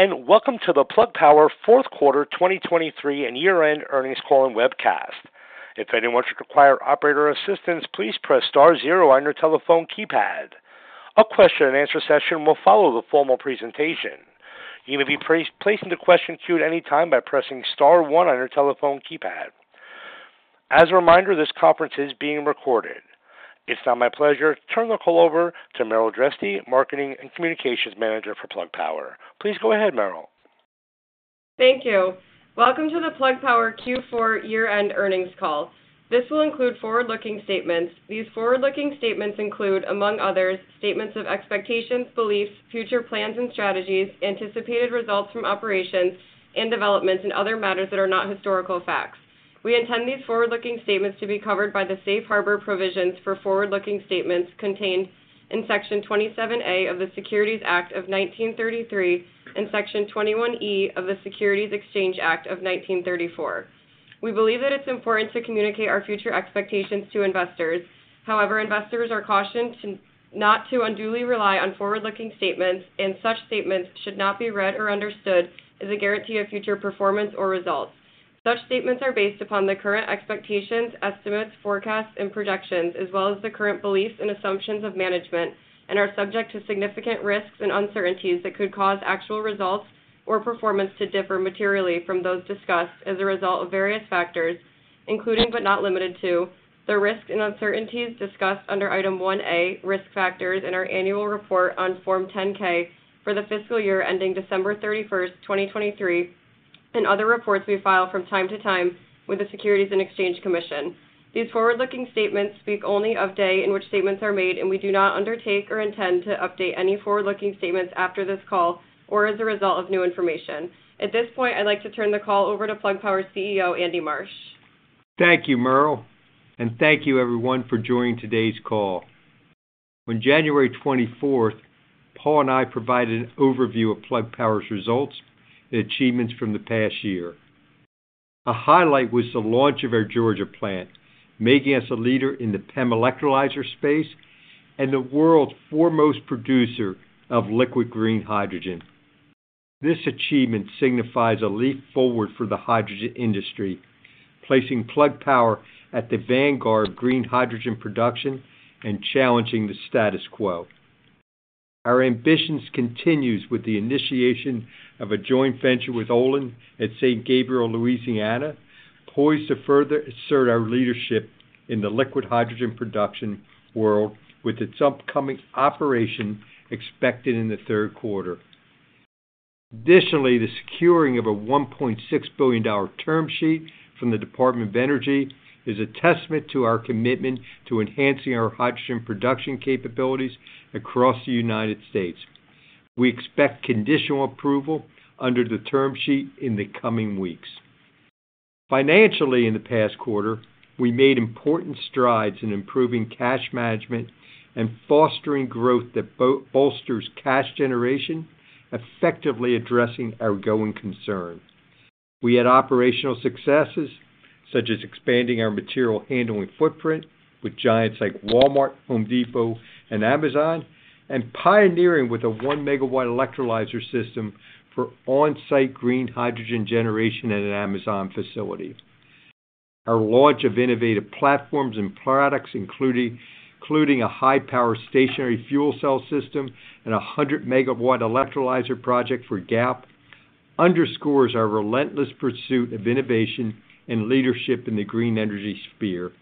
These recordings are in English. Oh, and welcome to the Plug Power Fourth Quarter 2023 and year-end earnings call and webcast. If anyone should require operator assistance, please press star zero on your telephone keypad. A question-and-answer session will follow the formal presentation. You may be placed into question queue at any time by pressing star one on your telephone keypad. As a reminder, this conference is being recorded. It is my pleasure to turn the call over to Meryl Dresty, Marketing and Communications Manager for Plug Power. Please go ahead, Meryl. Thank you. Welcome to the Plug Power Q4 year-end earnings call. This will include forward-looking statements. These forward-looking statements include, among others, statements of expectations, beliefs, future plans and strategies, anticipated results from operations and developments, and other matters that are not historical facts. We intend these forward-looking statements to be covered by the safe harbor provisions for forward-looking statements contained in Section 27A of the Securities Act of 1933 and Section 21E of the Securities Exchange Act of 1934. We believe that it's important to communicate our future expectations to investors. However, investors are cautioned not to unduly rely on forward-looking statements, and such statements should not be read or understood as a guarantee of future performance or results. Such statements are based upon the current expectations, estimates, forecasts, and projections, as well as the current beliefs and assumptions of management, and are subject to significant risks and uncertainties that could cause actual results or performance to differ materially from those discussed as a result of various factors, including but not limited to the risks and uncertainties discussed under Item 1A, Risk Factors, in our annual report on Form 10-K for the fiscal year ending December 31st, 2023, and other reports we file from time to time with the Securities and Exchange Commission. These forward-looking statements speak only of the day in which statements are made, and we do not undertake or intend to update any forward-looking statements after this call or as a result of new information. At this point, I'd like to turn the call over to Plug Power CEO, Andy Marsh. Thank you, Meryl, and thank you, everyone, for joining today's call. On January 24th, Paul and I provided an overview of Plug Power's results and achievements from the past year. A highlight was the launch of our Georgia plant, making us a leader in the PEM electrolyzer space and the world's foremost producer of liquid green hydrogen. This achievement signifies a leap forward for the hydrogen industry, placing Plug Power at the vanguard of green hydrogen production and challenging the status quo. Our ambitions continue with the initiation of a joint venture with Olin at St. Gabriel, Louisiana, poised to further assert our leadership in the liquid hydrogen production world, with its upcoming operation expected in the third quarter. Additionally, the securing of a $1.6 billion term sheet from the Department of Energy is a testament to our commitment to enhancing our hydrogen production capabilities across the United States. We expect conditional approval under the term sheet in the coming weeks. Financially, in the past quarter, we made important strides in improving cash management and fostering growth that bolsters cash generation, effectively addressing our ongoing concerns. We had operational successes such as expanding our material handling footprint with giants like Walmart, Home Depot, and Amazon, and pioneering with a 1MW electrolyzer system for on-site green hydrogen generation at an Amazon facility. Our launch of innovative platforms and products, including a high-power stationary fuel cell system and a 100MW electrolyzer project for Galp, underscores our relentless pursuit of innovation and leadership in the green energy sphere.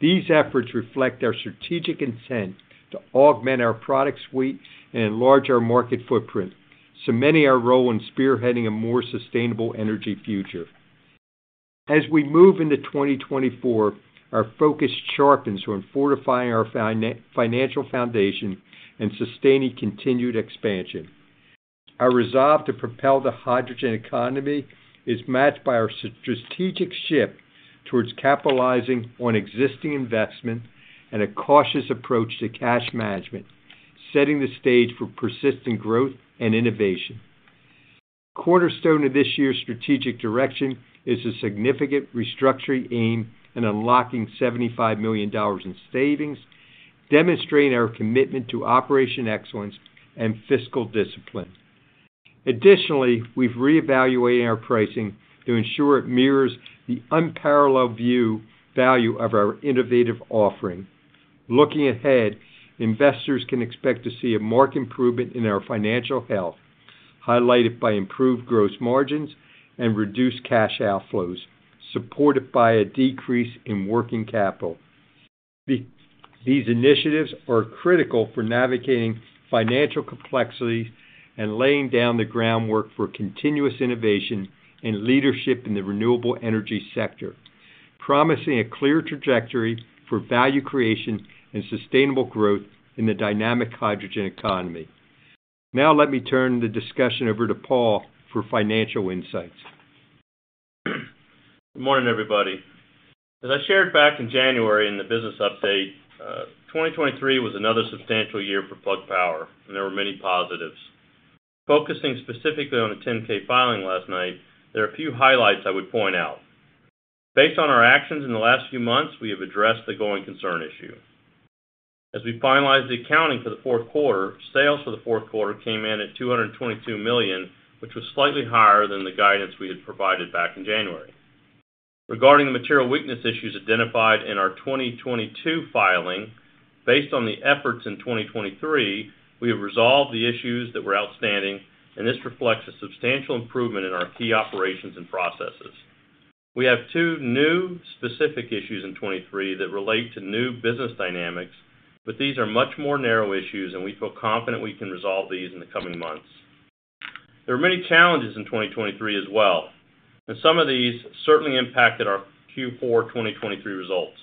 These efforts reflect our strategic intent to augment our product suite and enlarge our market footprint, cementing our role in spearheading a more sustainable energy future. As we move into 2024, our focus sharpens on fortifying our financial foundation and sustaining continued expansion. Our resolve to propel the hydrogen economy is matched by our strategic shift towards capitalizing on existing investment and a cautious approach to cash management, setting the stage for persistent growth and innovation. A cornerstone of this year's strategic direction is a significant restructuring aim and unlocking $75 million in savings, demonstrating our commitment to operational excellence and fiscal discipline. Additionally, we've reevaluated our pricing to ensure it mirrors the unparalleled value of our innovative offering. Looking ahead, investors can expect to see a marked improvement in our financial health, highlighted by improved gross margins and reduced cash outflows, supported by a decrease in working capital. These initiatives are critical for navigating financial complexities and laying down the groundwork for continuous innovation and leadership in the renewable energy sector, promising a clear trajectory for value creation and sustainable growth in the dynamic hydrogen economy. Now let me turn the discussion over to Paul for financial insights. Good morning, everybody. As I shared back in January in the business update, 2023 was another substantial year for Plug Power, and there were many positives. Focusing specifically on the 10-K filing last night, there are a few highlights I would point out. Based on our actions in the last few months, we have addressed the ongoing concern issue. As we finalized the accounting for the fourth quarter, sales for the fourth quarter came in at $222 million, which was slightly higher than the guidance we had provided back in January. Regarding the material weakness issues identified in our 2022 filing, based on the efforts in 2023, we have resolved the issues that were outstanding, and this reflects a substantial improvement in our key operations and processes. We have two new specific issues in 2023 that relate to new business dynamics, but these are much more narrow issues, and we feel confident we can resolve these in the coming months. There were many challenges in 2023 as well, and some of these certainly impacted our Q4 2023 results.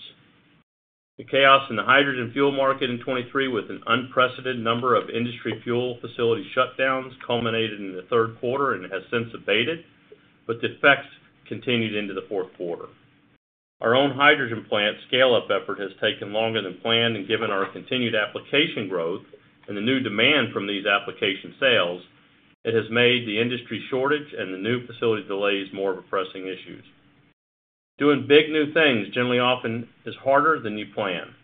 The chaos in the hydrogen fuel market in 2023, with an unprecedented number of industry fuel facility shutdowns, culminated in the third quarter and has since abated, but defects continued into the fourth quarter. Our own hydrogen plant scale-up effort has taken longer than planned, and given our continued application growth and the new demand from these application sales, it has made the industry shortage and the new facility delays more of a pressing issue. Doing big new things generally often is harder than you plan,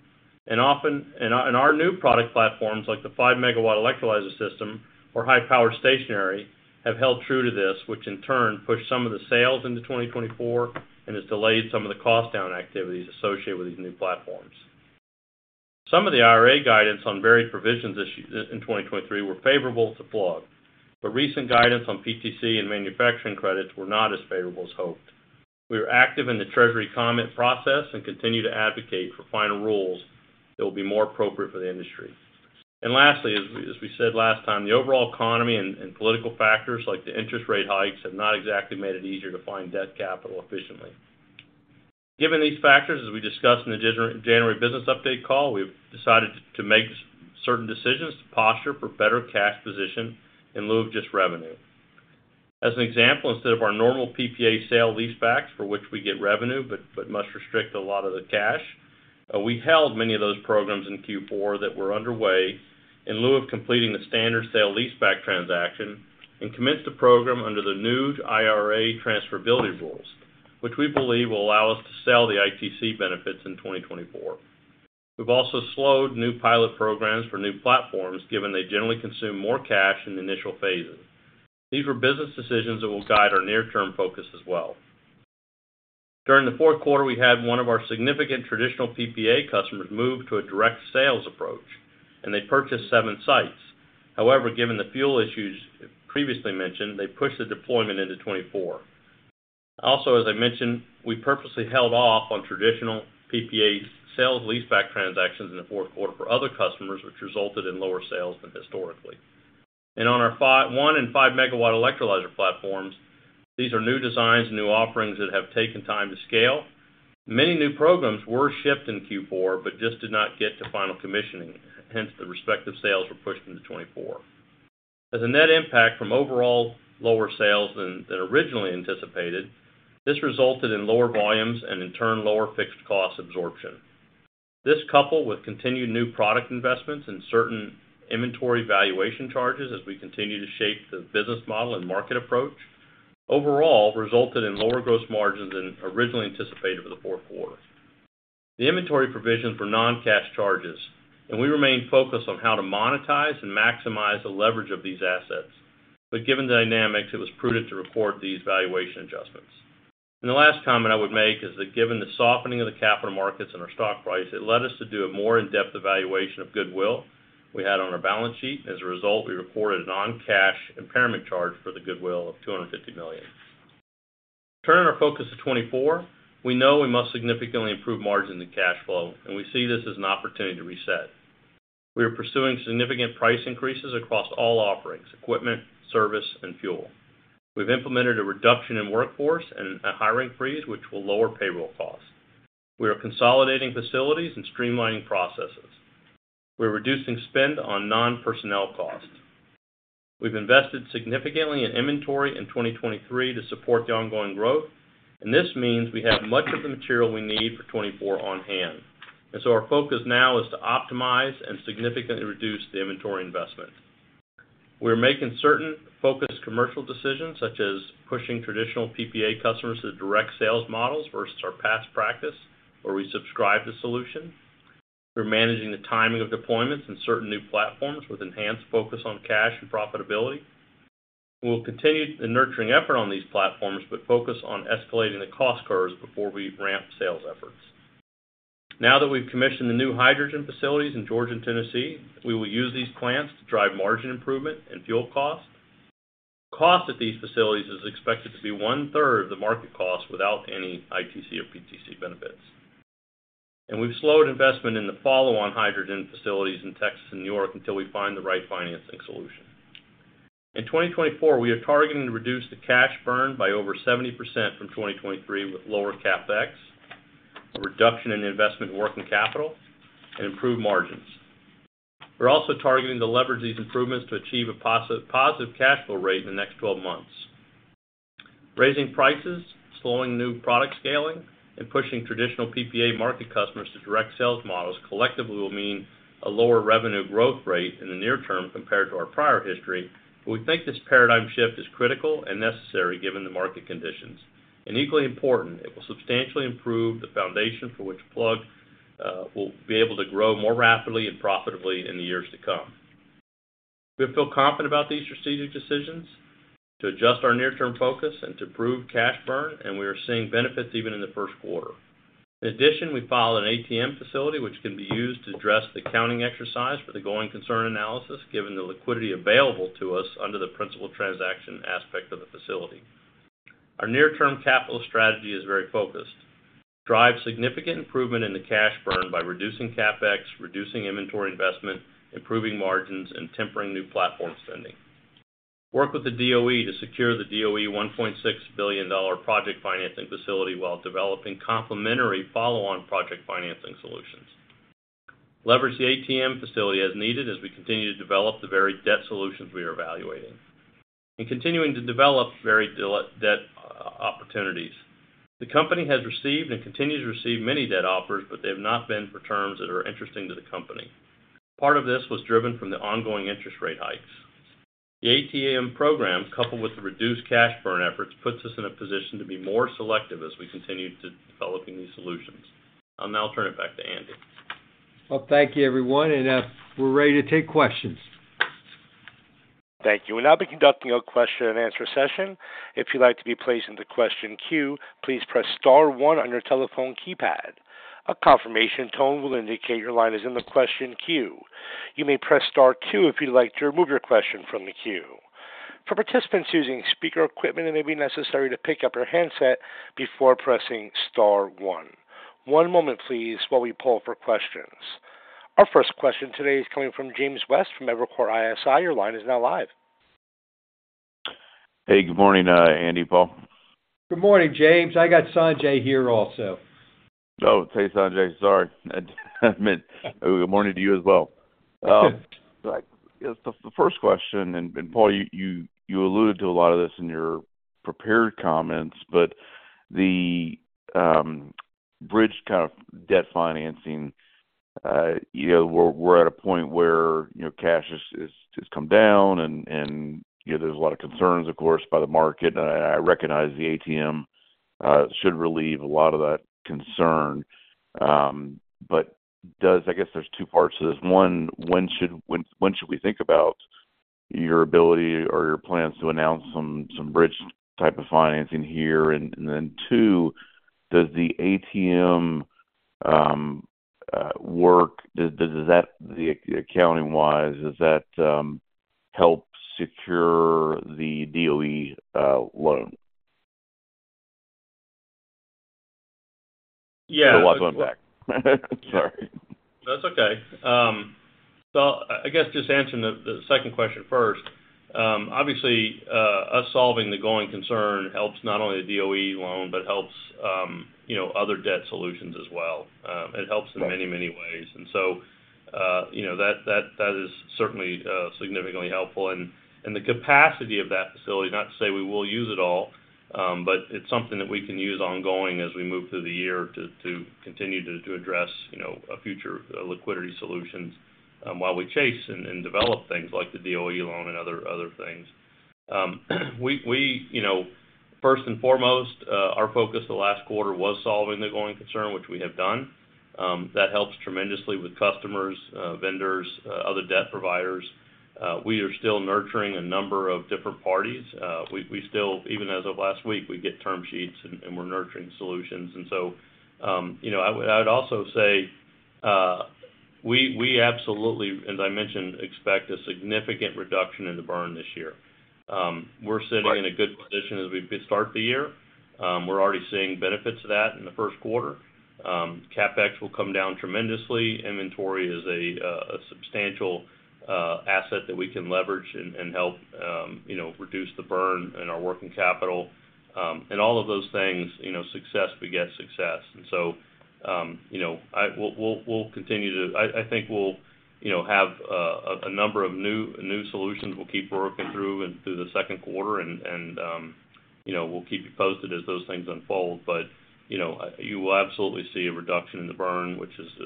and our new product platforms, like the 5MW electrolyzer system or high-power stationary, have held true to this, which in turn pushed some of the sales into 2024 and has delayed some of the cost-down activities associated with these new platforms. Some of the IRA guidance on varied provisions in 2023 were favorable to Plug, but recent guidance on PTC and manufacturing credits were not as favorable as hoped. We are active in the Treasury comment process and continue to advocate for final rules that will be more appropriate for the industry. And lastly, as we said last time, the overall economy and political factors, like the interest rate hikes, have not exactly made it easier to find debt capital efficiently. Given these factors, as we discussed in the January business update call, we've decided to make certain decisions to posture for better cash position in lieu of just revenue. As an example, instead of our normal PPA sale leasebacks for which we get revenue but must restrict a lot of the cash, we held many of those programs in Q4 that were underway in lieu of completing the standard sale leaseback transaction and commenced a program under the new IRA transferability rules, which we believe will allow us to sell the ITC benefits in 2024. We've also slowed new pilot programs for new platforms, given they generally consume more cash in the initial phases. These were business decisions that will guide our near-term focus as well. During the fourth quarter, we had one of our significant traditional PPA customers move to a direct sales approach, and they purchased 7 sites. However, given the fuel issues previously mentioned, they pushed the deployment into 2024. Also, as I mentioned, we purposely held off on traditional PPA sale-leaseback transactions in the fourth quarter for other customers, which resulted in lower sales than historically. On our 1MW and 5MW electrolyzer platforms, these are new designs and new offerings that have taken time to scale. Many new programs were shipped in Q4 but just did not get to final commissioning, hence the respective sales were pushed into 2024. As a net impact from overall lower sales than originally anticipated, this resulted in lower volumes and, in turn, lower fixed cost absorption. This coupled with continued new product investments and certain inventory valuation charges, as we continue to shape the business model and market approach, overall resulted in lower gross margins than originally anticipated for the fourth quarter. The inventory provisions were non-cash charges, and we remained focused on how to monetize and maximize the leverage of these assets. Given the dynamics, it was prudent to record these valuation adjustments. The last comment I would make is that, given the softening of the capital markets and our stock price, it led us to do a more in-depth evaluation of goodwill we had on our balance sheet. As a result, we recorded a non-cash impairment charge for the goodwill of $250 million. Turning our focus to 2024, we know we must significantly improve margin and cash flow, and we see this as an opportunity to reset. We are pursuing significant price increases across all offerings: equipment, service, and fuel. We've implemented a reduction in workforce and a hiring freeze, which will lower payroll costs. We are consolidating facilities and streamlining processes. We are reducing spend on non-personnel costs. We've invested significantly in inventory in 2023 to support the ongoing growth, and this means we have much of the material we need for 2024 on hand. And so our focus now is to optimize and significantly reduce the inventory investment. We are making certain focused commercial decisions, such as pushing traditional PPA customers to the direct sales models versus our past practice, where we subscribe to solutions. We're managing the timing of deployments in certain new platforms with enhanced focus on cash and profitability. We'll continue the nurturing effort on these platforms but focus on escalating the cost curves before we ramp sales efforts. Now that we've commissioned the new hydrogen facilities in Georgia, Tennessee, we will use these plants to drive margin improvement and fuel cost. Cost at these facilities is expected to be one-third of the market cost without any ITC or PTC benefits. We've slowed investment in the follow-on hydrogen facilities in Texas and New York until we find the right financing solution. In 2024, we are targeting to reduce the cash burn by over 70% from 2023 with lower CapEx, a reduction in investment working capital, and improved margins. We're also targeting to leverage these improvements to achieve a positive cash flow rate in the next 12 months. Raising prices, slowing new product scaling, and pushing traditional PPA market customers to direct sales models collectively will mean a lower revenue growth rate in the near term compared to our prior history. We think this paradigm shift is critical and necessary given the market conditions. Equally important, it will substantially improve the foundation for which Plug will be able to grow more rapidly and profitably in the years to come. We feel confident about these strategic decisions to adjust our near-term focus and to improve cash burn, and we are seeing benefits even in the First Quarter. In addition, we filed an ATM facility, which can be used to address the accounting exercise for the going concern analysis, given the liquidity available to us under the principal transaction aspect of the facility. Our near-term capital strategy is very focused: drive significant improvement in the cash burn by reducing CapEx, reducing inventory investment, improving margins, and tempering new platform spending. Work with the DOE to secure the DOE $1.6 billion project financing facility while developing complementary follow-on project financing solutions. Leverage the ATM facility as needed as we continue to develop the varied debt solutions we are evaluating and continuing to develop varied debt opportunities. The company has received and continues to receive many debt offers, but they have not been for terms that are interesting to the company. Part of this was driven from the ongoing interest rate hikes. The ATM program, coupled with the reduced cash burn efforts, puts us in a position to be more selective as we continue to develop these solutions. I'll now turn it back to Andy. Well, thank you, everyone. And we're ready to take questions. Thank you. We'll now be conducting a question-and-answer session. If you'd like to be placed in the question queue, please press star one on your telephone keypad. A confirmation tone will indicate your line is in the question queue. You may press star two if you'd like to remove your question from the queue. For participants using speaker equipment, it may be necessary to pick up your handset before pressing star one. One moment, please, while we pull for questions. Our first question today is coming from James West from Evercore ISI. Your line is now live. Hey, good morning, Andy, Paul. Good morning, James. I got Sanjay here also. Oh, hey, Sanjay. Sorry. Good morning to you as well. The first question, and Paul, you alluded to a lot of this in your prepared comments, but the bridge kind of debt financing, we're at a point where cash has come down, and there's a lot of concerns, of course, by the market. And I recognize the ATM should relieve a lot of that concern. But I guess there's two parts to this. One, when should we think about your ability or your plans to announce some bridge type of financing here? And then two, does the ATM work? Accounting-wise, does that help secure the DOE loan? The, Sorry. That's okay. Well, I guess just answering the second question first. Obviously, us solving the going concern helps not only the DOE loan but helps other debt solutions as well. It helps in many, many ways. And so that is certainly significantly helpful. And the capacity of that facility, not to say we will use it all, but it's something that we can use ongoing as we move through the year to continue to address future liquidity solutions while we chase and develop things like the DOE loan and other things. First and foremost, our focus the last quarter was solving the going concern, which we have done. That helps tremendously with customers, vendors, other debt providers. We are still nurturing a number of different parties. Even as of last week, we get term sheets, and we're nurturing solutions. I would also say we absolutely, as I mentioned, expect a significant reduction in the burn this year. We're sitting in a good position as we start the year. We're already seeing benefits to that in the first quarter. CapEx will come down tremendously. Inventory is a substantial asset that we can leverage and help reduce the burn in our working capital. And all of those things, success begets success. And so we'll continue to, I think, we'll have a number of new solutions we'll keep working through the second quarter, and we'll keep you posted as those things unfold. But you will absolutely see a reduction in the burn, which sets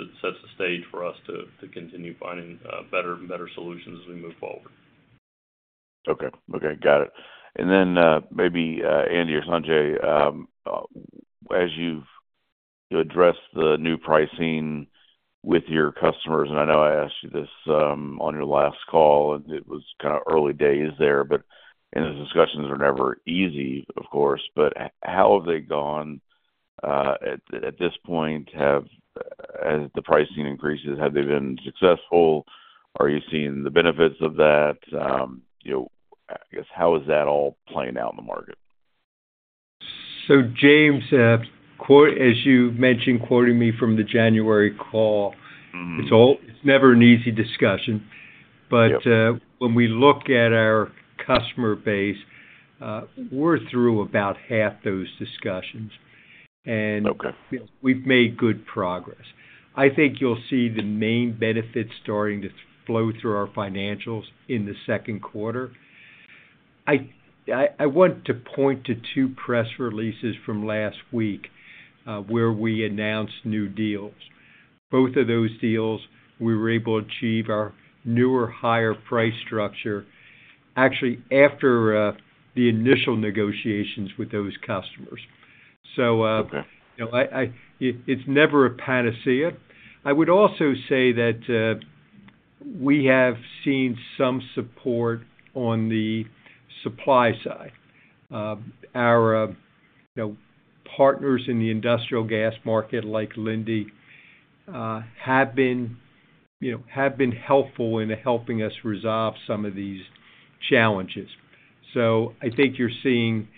the stage for us to continue finding better and better solutions as we move forward. Okay. Okay. Got it. And then maybe, Andy or Sanjay, as you address the new pricing with your customers and I know I asked you this on your last call, and it was kind of early days there, and the discussions are never easy, of course. But how have they gone at this point? As the pricing increases, have they been successful? Are you seeing the benefits of that? I guess how is that all playing out in the market? So James, as you mentioned, quoting me from the January call, it's never an easy discussion. But when we look at our customer base, we're through about half those discussions, and we've made good progress. I think you'll see the main benefits starting to flow through our financials in the second quarter. I want to point to two press releases from last week where we announced new deals. Both of those deals, we were able to achieve our newer, higher price structure, actually, after the initial negotiations with those customers. So it's never a panacea. I would also say that we have seen some support on the supply side. Our partners in the industrial gas market, like Linde, have been helpful in helping us resolve some of these challenges. So I think you're seeing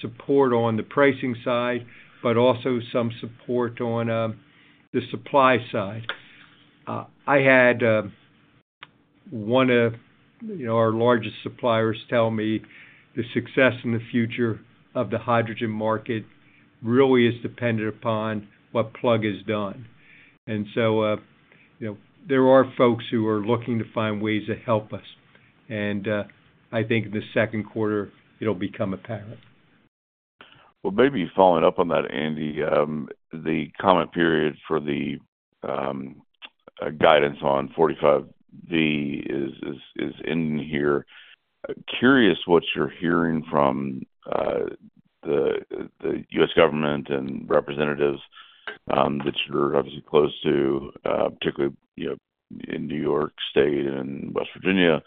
support on the pricing side but also some support on the supply side. I had one of our largest suppliers tell me the success in the future of the hydrogen market really is dependent upon what Plug has done. And so there are folks who are looking to find ways to help us. And I think in the Second Quarter, it'll become apparent. Well, maybe following up on that, Andy, the comment period for the guidance on 45V is ending here. Curious what you're hearing from the U.S. government and representatives that you're obviously close to, particularly in New York State and in West Virginia,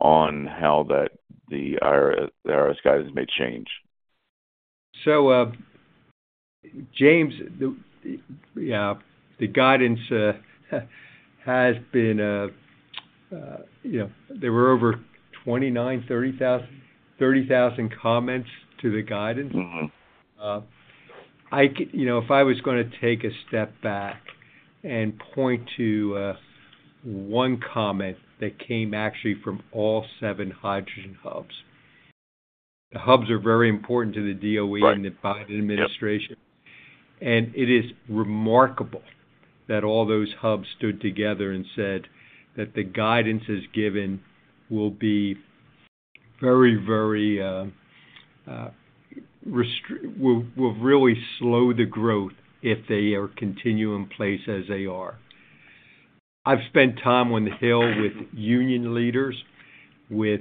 on how the IRS guidance may change. So James, yeah, the guidance has been there were over 29,000-30,000 comments to the guidance. If I was going to take a step back and point to one comment that came actually from all seven hydrogen hubs the hubs are very important to the DOE and the Biden administration. And it is remarkable that all those hubs stood together and said that the guidance is given will really slow the growth if they continue in place as they are. I've spent time on the Hill with union leaders, with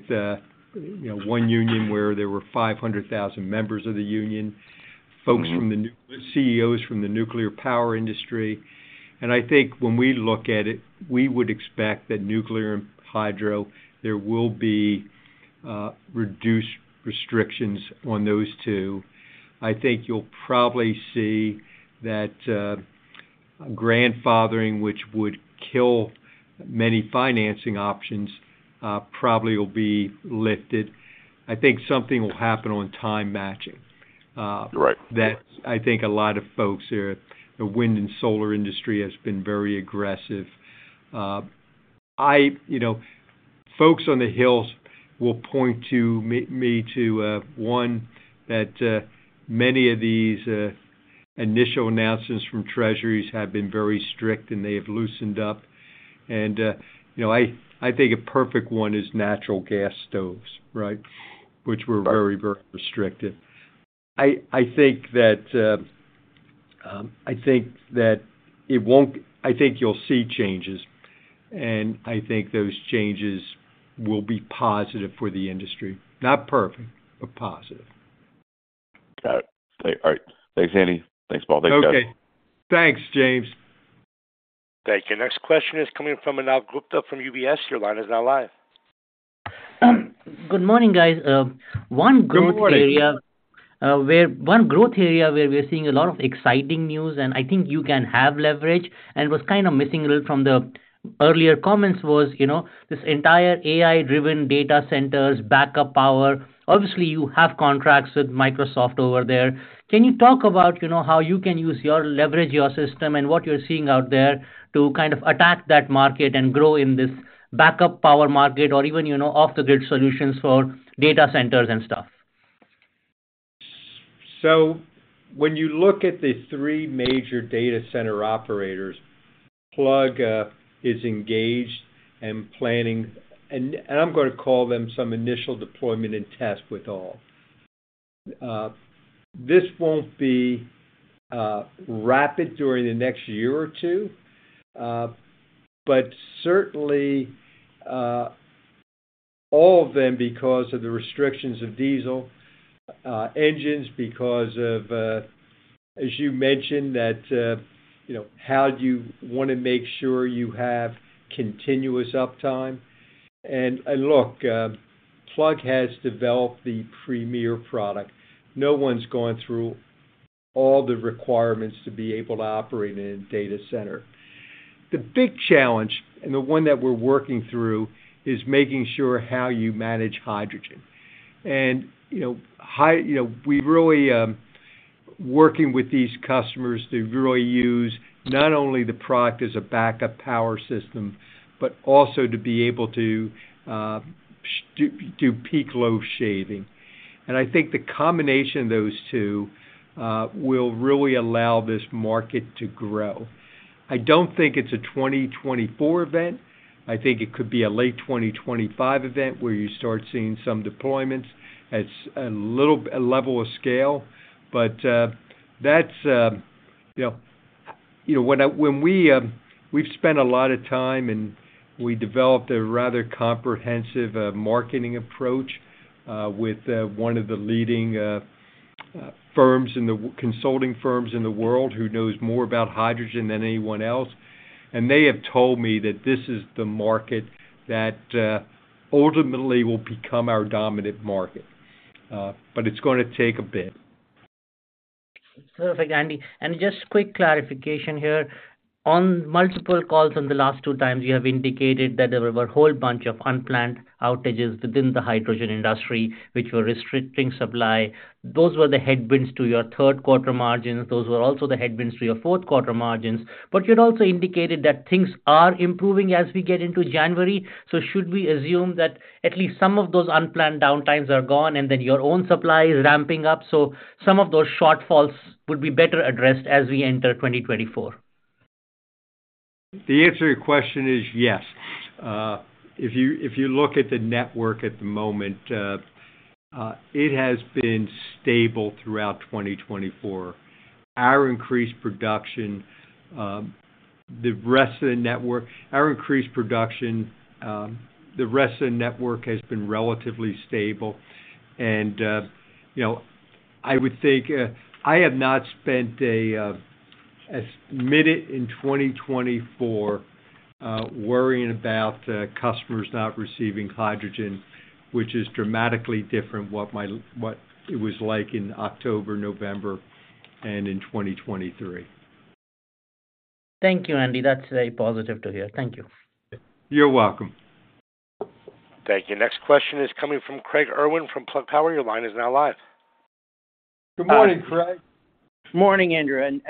one union where there were 500,000 members of the union, CEOs from the nuclear power industry. And I think when we look at it, we would expect that nuclear and hydro, there will be reduced restrictions on those two. I think you'll probably see that grandfathering, which would kill many financing options, probably will be lifted. I think something will happen on time matching. That's, I think, a lot of folks there. The wind and solar industry has been very aggressive. Folks on the Hills will point me to one that many of these initial announcements from Treasuries have been very strict, and they have loosened up. And I think a perfect one is natural gas stoves, right, which were very, very restrictive. I think that it won't. I think you'll see changes. And I think those changes will be positive for the industry. Not perfect, but positive. Got it. All right. Thanks, Andy. Thanks, Paul. Thanks, guys. Okay. Thanks, James. Thank you. Next question is coming from Manav Gupta from UBS. Your line is now live. Good morning, guys. One growth area where we're seeing a lot of exciting news, and I think you can have leverage. And what's kind of missing a little from the earlier comments was this entire AI-driven data centers, backup power. Obviously, you have contracts with Microsoft over there. Can you talk about how you can leverage your system and what you're seeing out there to kind of attack that market and grow in this backup power market or even off-the-grid solutions for data centers and stuff? So when you look at the three major data center operators, Plug is engaged and planning, and I'm going to call them some initial deployment and test with all. This won't be rapid during the next year or two, but certainly all of them because of the restrictions of diesel engines, because, as you mentioned, how do you want to make sure you have continuous uptime? And look, Plug has developed the premier product. No one's going through all the requirements to be able to operate in a data center. The big challenge, and the one that we're working through, is making sure how you manage hydrogen. And we're really working with these customers to really use not only the product as a backup power system but also to be able to do peak-load shaving. And I think the combination of those two will really allow this market to grow. I don't think it's a 2024 event. I think it could be a late 2025 event where you start seeing some deployments. It's a little level of scale, but that's when we've spent a lot of time, and we developed a rather comprehensive marketing approach with one of the leading firms and the consulting firms in the world who knows more about hydrogen than anyone else. They have told me that this is the market that ultimately will become our dominant market, but it's going to take a bit. Perfect, Andy. Just quick clarification here. On multiple calls in the last two times, you have indicated that there were a whole bunch of unplanned outages within the hydrogen industry, which were restricting supply. Those were the headwinds to your third-quarter margins. Those were also the headwinds to your fourth-quarter margins. But you'd also indicated that things are improving as we get into January. So should we assume that at least some of those unplanned downtimes are gone, and then your own supply is ramping up? So some of those shortfalls would be better addressed as we enter 2024? The answer to your question is yes. If you look at the network at the moment, it has been stable throughout 2024. Our increased production, the rest of the network has been relatively stable. And I would think I have not spent a minute in 2024 worrying about customers not receiving hydrogen, which is dramatically different from what it was like in October, November, and in 2023. Thank you, Andy. That's very positive to hear. Thank you. You're welcome. Thank you. Next question is coming from Craig Irwin from Plug Power. Your line is now live. Good morning, Craig. Morning, Andrew. I'm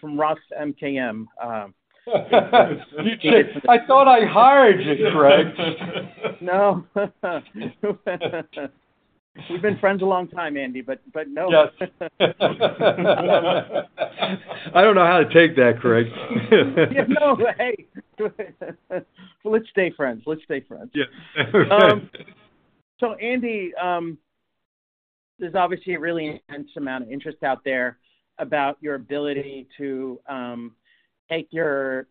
from Roth MKM. I thought I hired you, Craig. No. We've been friends a long time, Andy, but no. Yes. I don't know how to take that, Craig. Yeah. No. Hey. Well, let's stay friends. Let's stay friends. Yeah. So, Andy, there's obviously a really intense amount of interest out there about your ability to take your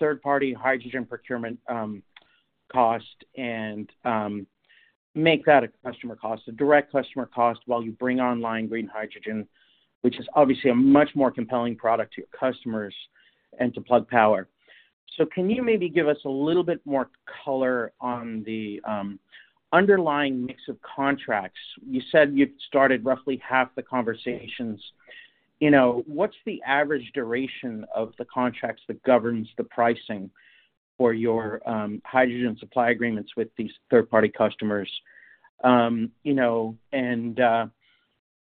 third-party hydrogen procurement cost and make that a customer cost, a direct customer cost, while you bring online green hydrogen, which is obviously a much more compelling product to your customers and to Plug Power. So can you maybe give us a little bit more color on the underlying mix of contracts? You said you've started roughly half the conversations. What's the average duration of the contracts that governs the pricing for your hydrogen supply agreements with these third-party customers? And do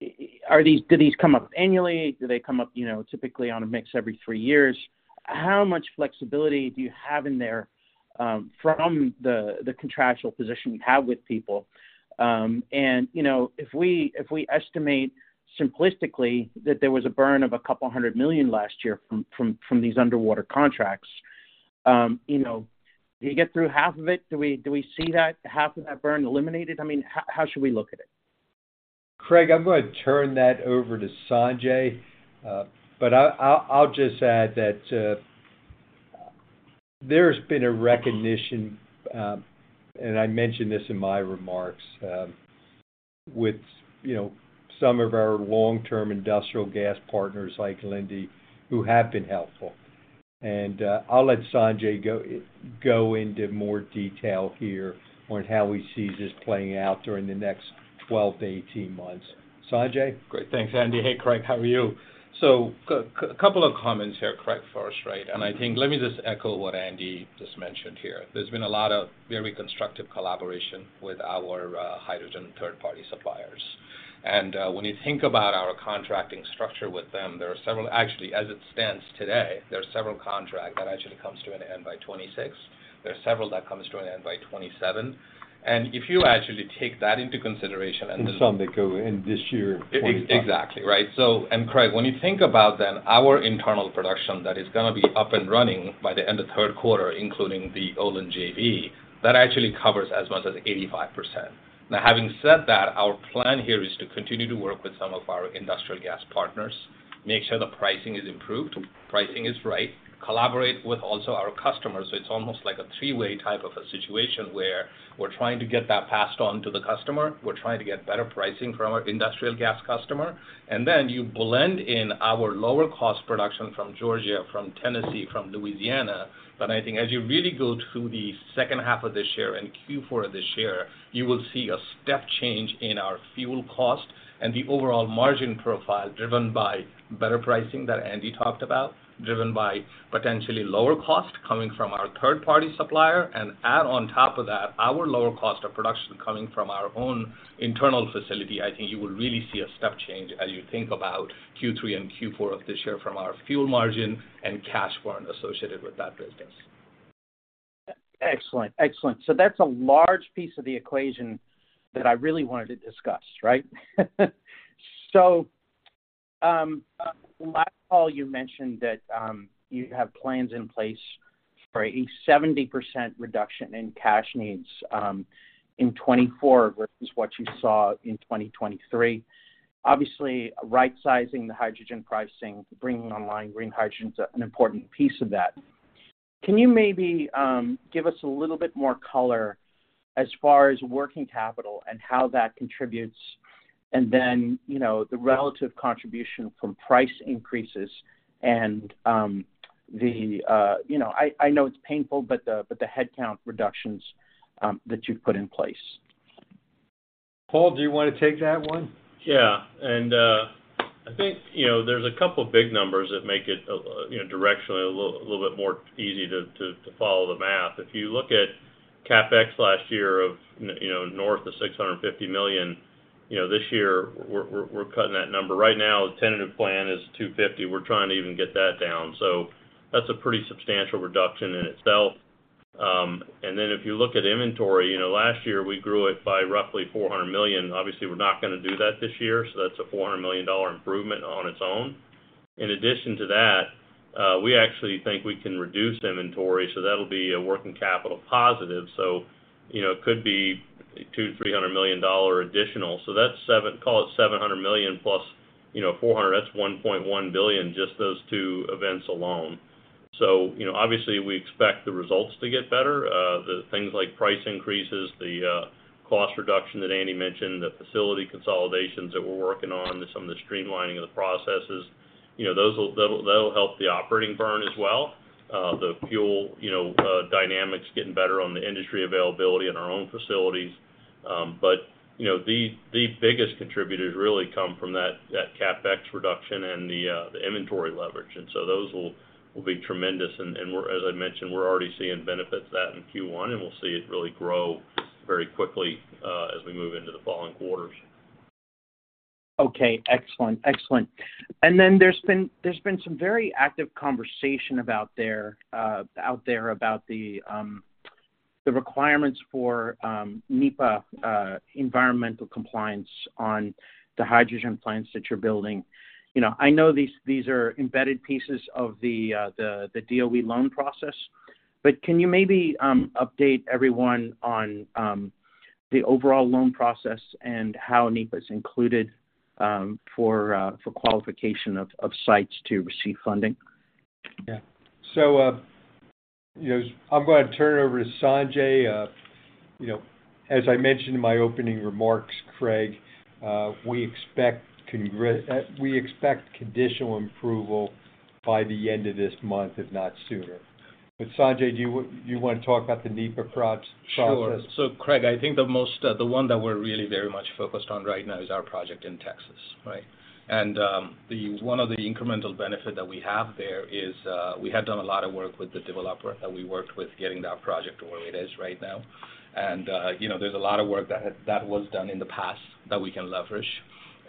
these come up annually? Do they come up typically on a mix every three years? How much flexibility do you have in there from the contractual position you have with people? If we estimate simplistically that there was a burn of $200 million last year from these underwater contracts, do you get through half of it? Do we see half of that burn eliminated? I mean, how should we look at it? Craig, I'm going to turn that over to Sanjay. But I'll just add that there's been a recognition and I mentioned this in my remarks with some of our long-term industrial gas partners like Linde who have been helpful. And I'll let Sanjay go into more detail here on how he sees this playing out during the next 12 months to 18 months. Sanjay? Great. Thanks, Andy. Hey, Craig. How are you? So a couple of comments here, Craig, first, right? And I think, let me just echo what Andy just mentioned here. There's been a lot of very constructive collaboration with our hydrogen third-party suppliers. And when you think about our contracting structure with them, there are several actually, as it stands today, there are several contracts that actually come to an end by 2026. There are several that come to an end by 2027. And if you actually take that into consideration and then. Some that go in this year, 2027. Exactly, right? And Craig, when you think about then, our internal production that is going to be up and running by the end of third quarter, including the Olin JV, that actually covers as much as 85%. Now, having said that, our plan here is to continue to work with some of our industrial gas partners, make sure the pricing is improved, pricing is right, collaborate with also our customers. So it's almost like a three-way type of a situation where we're trying to get that passed on to the customer. We're trying to get better pricing from our industrial gas customer. And then you blend in our lower-cost production from Georgia, from Tennessee, from Louisiana. But I think as you really go through the second half of this year and Q4 of this year, you will see a step change in our fuel cost and the overall margin profile driven by better pricing that Andy talked about, driven by potentially lower cost coming from our third-party supplier. Our lower cost of production coming from our own internal facility, I think you will really see a step change as you think about Q3 and Q4 of this year from our fuel margin and cash burn associated with that business. Excellent. Excellent. So that's a large piece of the equation that I really wanted to discuss, right? So last call, you mentioned that you have plans in place for a 70% reduction in cash needs in 2024 versus what you saw in 2023. Obviously, right-sizing the hydrogen pricing, bringing online green hydrogen is an important piece of that. Can you maybe give us a little bit more color as far as working capital and how that contributes, and then the relative contribution from price increases and the I know it's painful, but the headcount reductions that you've put in place? Paul, do you want to take that one? Yeah. And I think there's a couple of big numbers that make it directionally a little bit more easy to follow the math. If you look at CapEx last year of north of $650 million, this year, we're cutting that number. Right now, the tentative plan is $250 million. We're trying to even get that down. So that's a pretty substantial reduction in itself. And then if you look at inventory, last year, we grew it by roughly $400 million. Obviously, we're not going to do that this year. So that's a $400 million improvement on its own. In addition to that, we actually think we can reduce inventory. So that'll be a working capital positive. So it could be $200-$300 million additional. So call it $700 million plus $400 million. That's $1.1 billion, just those two events alone. So obviously, we expect the results to get better, the things like price increases, the cost reduction that Andy mentioned, the facility consolidations that we're working on, some of the streamlining of the processes. That'll help the operating burn as well, the fuel dynamics getting better on the industry availability in our own facilities. But the biggest contributors really come from that CapEx reduction and the inventory leverage. And so those will be tremendous. And as I mentioned, we're already seeing benefits of that in Q1, and we'll see it really grow very quickly as we move into the following quarters. Okay. Excellent. Excellent. And then there's been some very active conversation out there about the requirements for NEPA environmental compliance on the hydrogen plants that you're building. I know these are embedded pieces of the DOE loan process, but can you maybe update everyone on the overall loan process and how NEPA is included for qualification of sites to receive funding? Yeah. So I'm going to turn it over to Sanjay. As I mentioned in my opening remarks, Craig, we expect conditional approval by the end of this month, if not sooner. But Sanjay, do you want to talk about the NEPA process? Sure. So Craig, I think the one that we're really very much focused on right now is our project in Texas, right? And one of the incremental benefits that we have there is we had done a lot of work with the developer that we worked with getting that project to where it is right now. And there's a lot of work that was done in the past that we can leverage.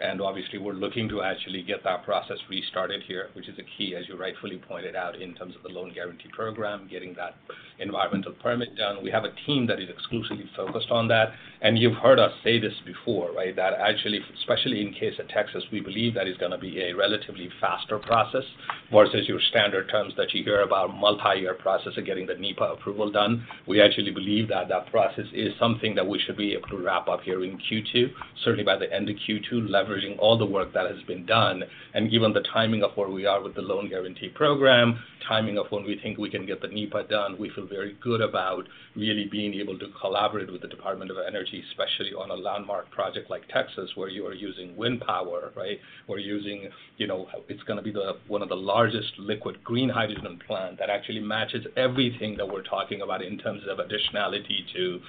And obviously, we're looking to actually get that process restarted here, which is a key, as you rightfully pointed out, in terms of the loan guarantee program, getting that environmental permit done. We have a team that is exclusively focused on that. You've heard us say this before, right, that actually, especially in case of Texas, we believe that is going to be a relatively faster process versus your standard terms that you hear about, multi-year process of getting the NEPA approval done. We actually believe that that process is something that we should be able to wrap up here in Q2, certainly by the end of Q2, leveraging all the work that has been done. Given the timing of where we are with the loan guarantee program, timing of when we think we can get the NEPA done, we feel very good about really being able to collaborate with the Department of Energy, especially on a landmark project like Texas where you are using wind power, right, where you're using. It's going to be one of the largest liquid green hydrogen plants that actually matches everything that we're talking about in terms of additionality to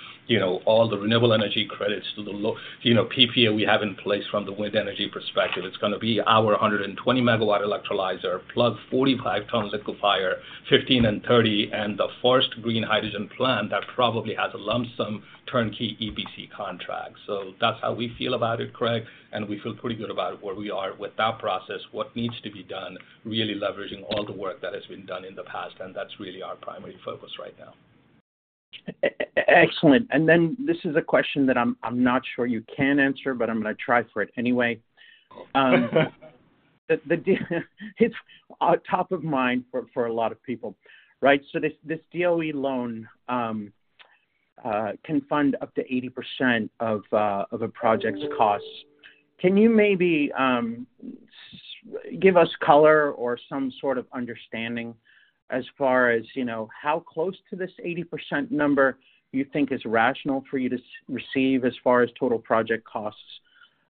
all the renewable energy credits to the PPA we have in place from the wind energy perspective. It's going to be our 120-megawatt electrolyzer plus 45-ton liquefier, 15 and 30, and the first green hydrogen plant that probably has a lump-sum turnkey EPC contract. So that's how we feel about it, Craig. We feel pretty good about where we are with that process, what needs to be done, really leveraging all the work that has been done in the past. That's really our primary focus right now. Excellent. And then this is a question that I'm not sure you can answer, but I'm going to try for it anyway. It's top of mind for a lot of people, right? So this DOE loan can fund up to 80% of a project's costs. Can you maybe give us color or some sort of understanding as far as how close to this 80% number you think is rational for you to receive as far as total project costs?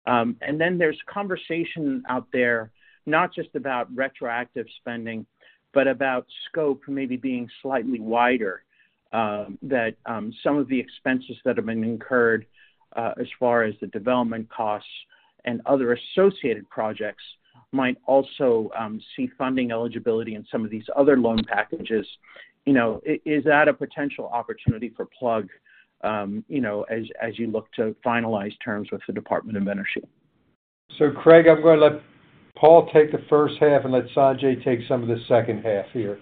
And then there's conversation out there, not just about retroactive spending, but about scope maybe being slightly wider, that some of the expenses that have been incurred as far as the development costs and other associated projects might also see funding eligibility in some of these other loan packages. Is that a potential opportunity for Plug as you look to finalize terms with the Department of Energy? So Craig, I'm going to let Paul take the first half and let Sanjay take some of the second half here.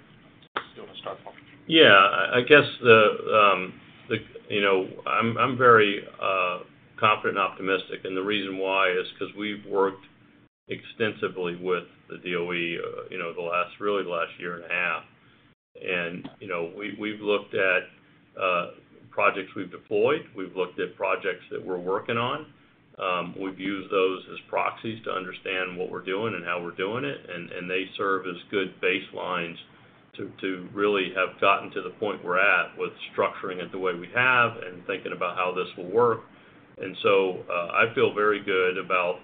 Do you want to start, Paul? Yeah. I guess I'm very confident and optimistic. And the reason why is because we've worked extensively with the DOE really the last year and a half. And we've looked at projects we've deployed. We've looked at projects that we're working on. We've used those as proxies to understand what we're doing and how we're doing it. And they serve as good baselines to really have gotten to the point we're at with structuring it the way we have and thinking about how this will work. And so I feel very good about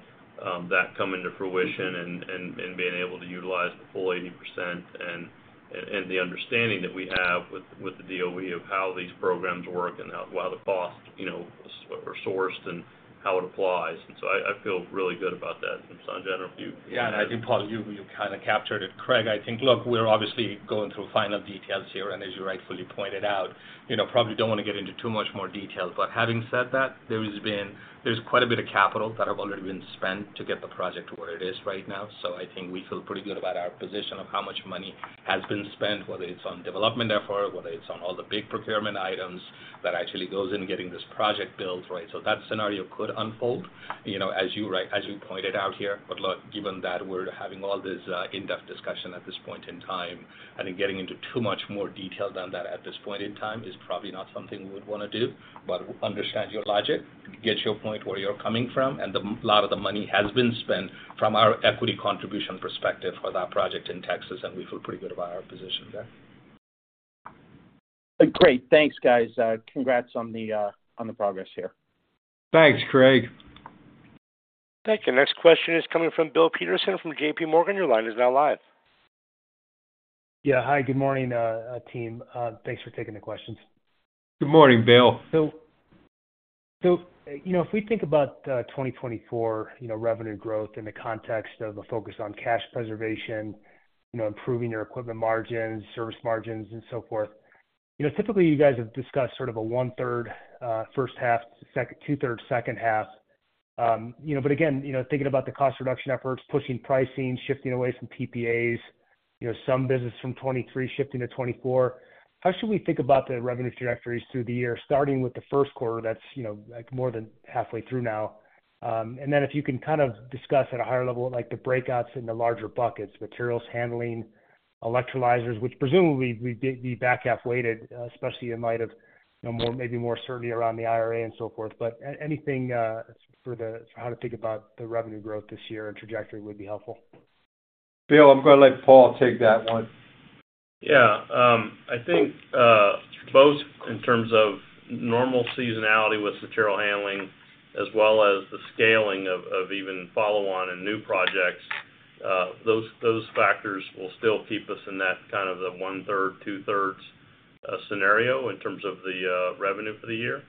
that coming to fruition and being able to utilize the full 80% and the understanding that we have with the DOE of how these programs work and how the costs are sourced and how it applies. And so I feel really good about that. And Sanjay, I don't know if you. Yeah. And I think, Paul, you kind of captured it. Craig, I think, look, we're obviously going through final details here. And as you rightfully pointed out, probably don't want to get into too much more detail. But having said that, there's quite a bit of capital that have already been spent to get the project to where it is right now. So I think we feel pretty good about our position of how much money has been spent, whether it's on development effort, whether it's on all the big procurement items that actually goes into getting this project built, right? So that scenario could unfold as you pointed out here. But look, given that we're having all this in-depth discussion at this point in time, I think getting into too much more detail than that at this point in time is probably not something we would want to do. But, understand your logic, get your point where you're coming from. A lot of the money has been spent from our equity contribution perspective for that project in Texas. We feel pretty good about our position there. Great. Thanks, guys. Congrats on the progress here. Thanks, Craig. Thank you. Next question is coming from Bill Peterson from JPMorgan. Your line is now live. Yeah. Hi. Good morning, team. Thanks for taking the questions. Good morning, Bill. So if we think about 2024 revenue growth in the context of a focus on cash preservation, improving your equipment margins, service margins, and so forth, typically, you guys have discussed sort of a one-third, first half, two-thirds, second half. But again, thinking about the cost reduction efforts, pushing pricing, shifting away from PPAs, some business from 2023 shifting to 2024, how should we think about the revenue trajectories through the year, starting with the first quarter that's more than halfway through now? And then if you can kind of discuss at a higher level the breakouts in the larger buckets, materials handling, electrolyzers, which presumably would be back half-weighted, especially in light of maybe more certainty around the IRA and so forth. But anything for how to think about the revenue growth this year and trajectory would be helpful. Bill, I'm going to let Paul take that one. Yeah. I think both in terms of normal seasonality with material handling as well as the scaling of even follow-on and new projects, those factors will still keep us in that kind of the 1/3, 2/3 scenario in terms of the revenue for the year.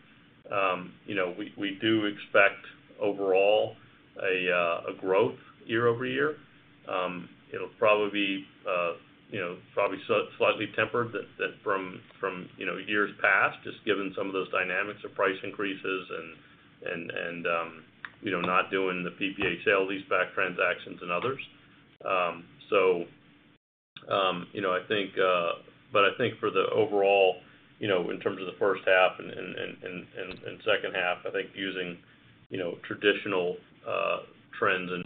We do expect overall a growth year-over-year. It'll probably be slightly tempered from years past, just given some of those dynamics of price increases and not doing the PPA sale lease-back transactions and others. So I think but I think for the overall, in terms of the first half and second half, I think using traditional trends and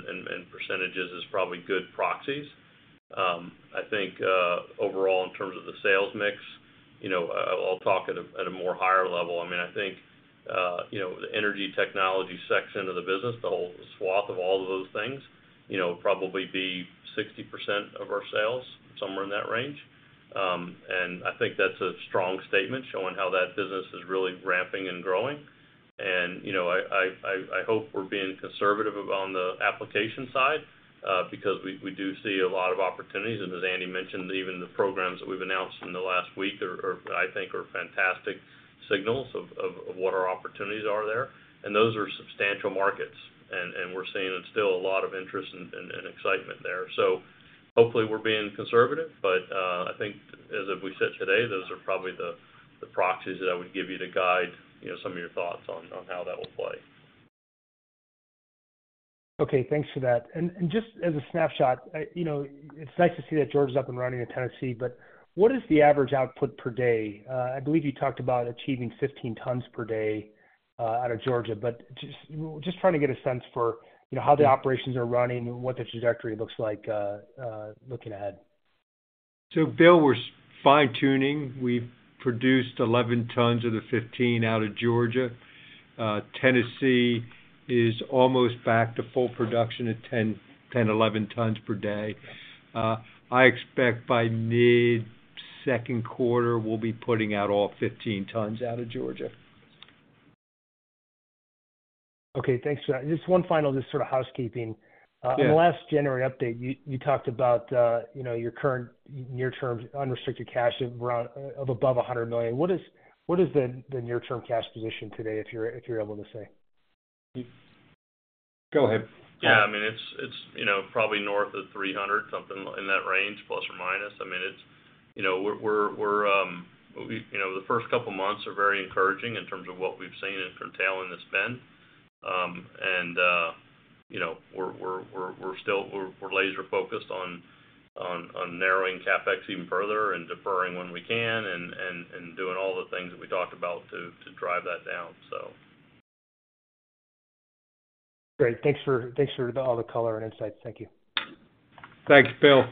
percentages is probably good proxies. I think overall, in terms of the sales mix, I'll talk at a more higher level. I mean, I think the energy technology section of the business, the whole swath of all of those things, would probably be 60% of our sales, somewhere in that range. And I think that's a strong statement showing how that business is really ramping and growing. And I hope we're being conservative on the application side because we do see a lot of opportunities. And as Andy mentioned, even the programs that we've announced in the last week, I think, are fantastic signals of what our opportunities are there. And those are substantial markets. And we're seeing still a lot of interest and excitement there. So hopefully, we're being conservative. But I think as of we sit today, those are probably the proxies that I would give you to guide some of your thoughts on how that will play. Okay. Thanks for that. And just as a snapshot, it's nice to see that Georgia is up and running in Tennessee. But what is the average output per day? I believe you talked about achieving 15 tons per day out of Georgia. But just trying to get a sense for how the operations are running and what the trajectory looks like looking ahead. So Bill, we're fine-tuning. We've produced 11 tons of the 15 out of Georgia. Tennessee is almost back to full production at 10 tons to 11 tons per day. I expect by mid-second quarter, we'll be putting out all 15 tons out of Georgia. Okay. Thanks for that. Just one final, just sort of housekeeping. In the last January update, you talked about your current near-term unrestricted cash of above $100 million. What is the near-term cash position today, if you're able to say? Go ahead. Yeah. I mean, it's probably north of 300, something in that range, plus or minus. I mean, the first couple of months are very encouraging in terms of what we've seen in curtailing the spend. We're laser-focused on narrowing CapEx even further and deferring when we can and doing all the things that we talked about to drive that down, so. Great. Thanks for all the color and insights. Thank you. Thanks, Bill.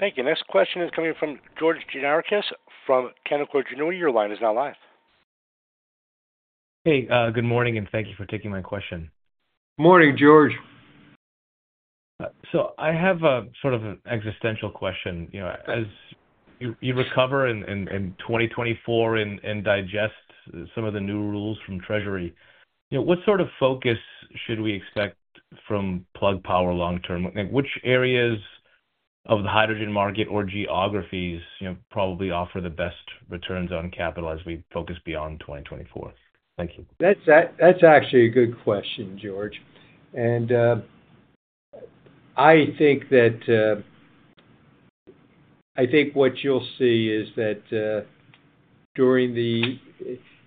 Thank you. Next question is coming from George Gianarikas from Canaccord Genuity. Your line is now live. Hey. Good morning. Thank you for taking my question. Morning, George. So I have sort of an existential question. As you recover in 2024 and digest some of the new rules from Treasury, what sort of focus should we expect from Plug Power long-term? Which areas of the hydrogen market or geographies probably offer the best returns on capital as we focus beyond 2024? Thank you. That's actually a good question, George. I think what you'll see is that during,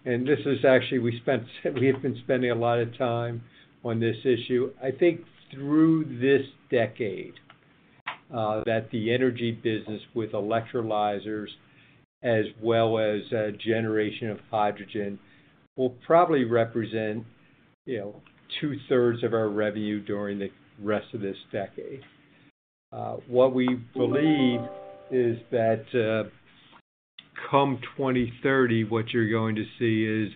and this is actually, we have been spending a lot of time on this issue. I think through this decade, that the energy business with electrolyzers as well as generation of hydrogen will probably represent two-thirds of our revenue during the rest of this decade. What we believe is that come 2030, what you're going to see is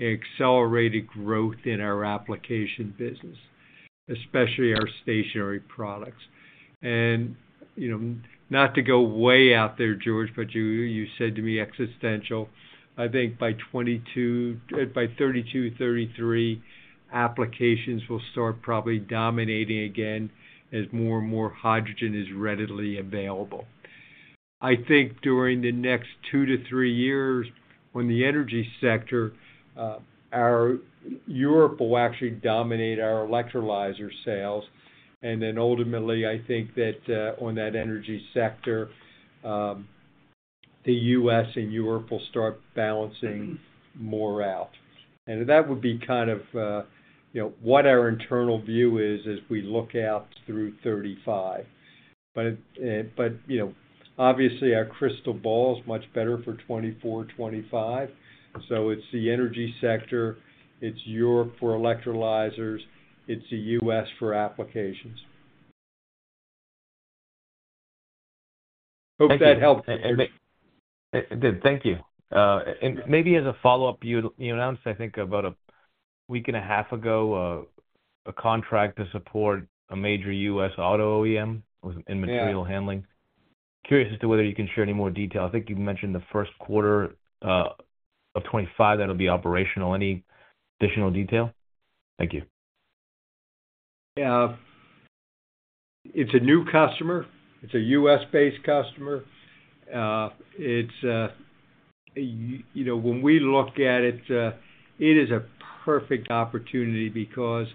accelerated growth in our application business, especially our stationary products. Not to go way out there, George, but you said to me existential. I think by 2032, 2033, applications will start probably dominating again as more and more hydrogen is readily available. I think during the next two to three years, when the energy sector Europe will actually dominate our electrolyzer sales. And then ultimately, I think that on that energy sector, the U.S. and Europe will start balancing more out. And that would be kind of what our internal view is as we look out through 2035. But obviously, our crystal ball is much better for 2024, 2025. So it's the energy sector. It's Europe for electrolyzers. It's the U.S. for applications. Hope that helped. It did. Thank you. And maybe as a follow-up, you announced, I think, about a week and a half ago, a contract to support a major U.S. auto OEM in material handling. Curious as to whether you can share any more detail. I think you mentioned the first quarter of 2025 that'll be operational. Any additional detail? Thank you. Yeah. It's a new customer. It's a U.S.-based customer. When we look at it, it is a perfect opportunity because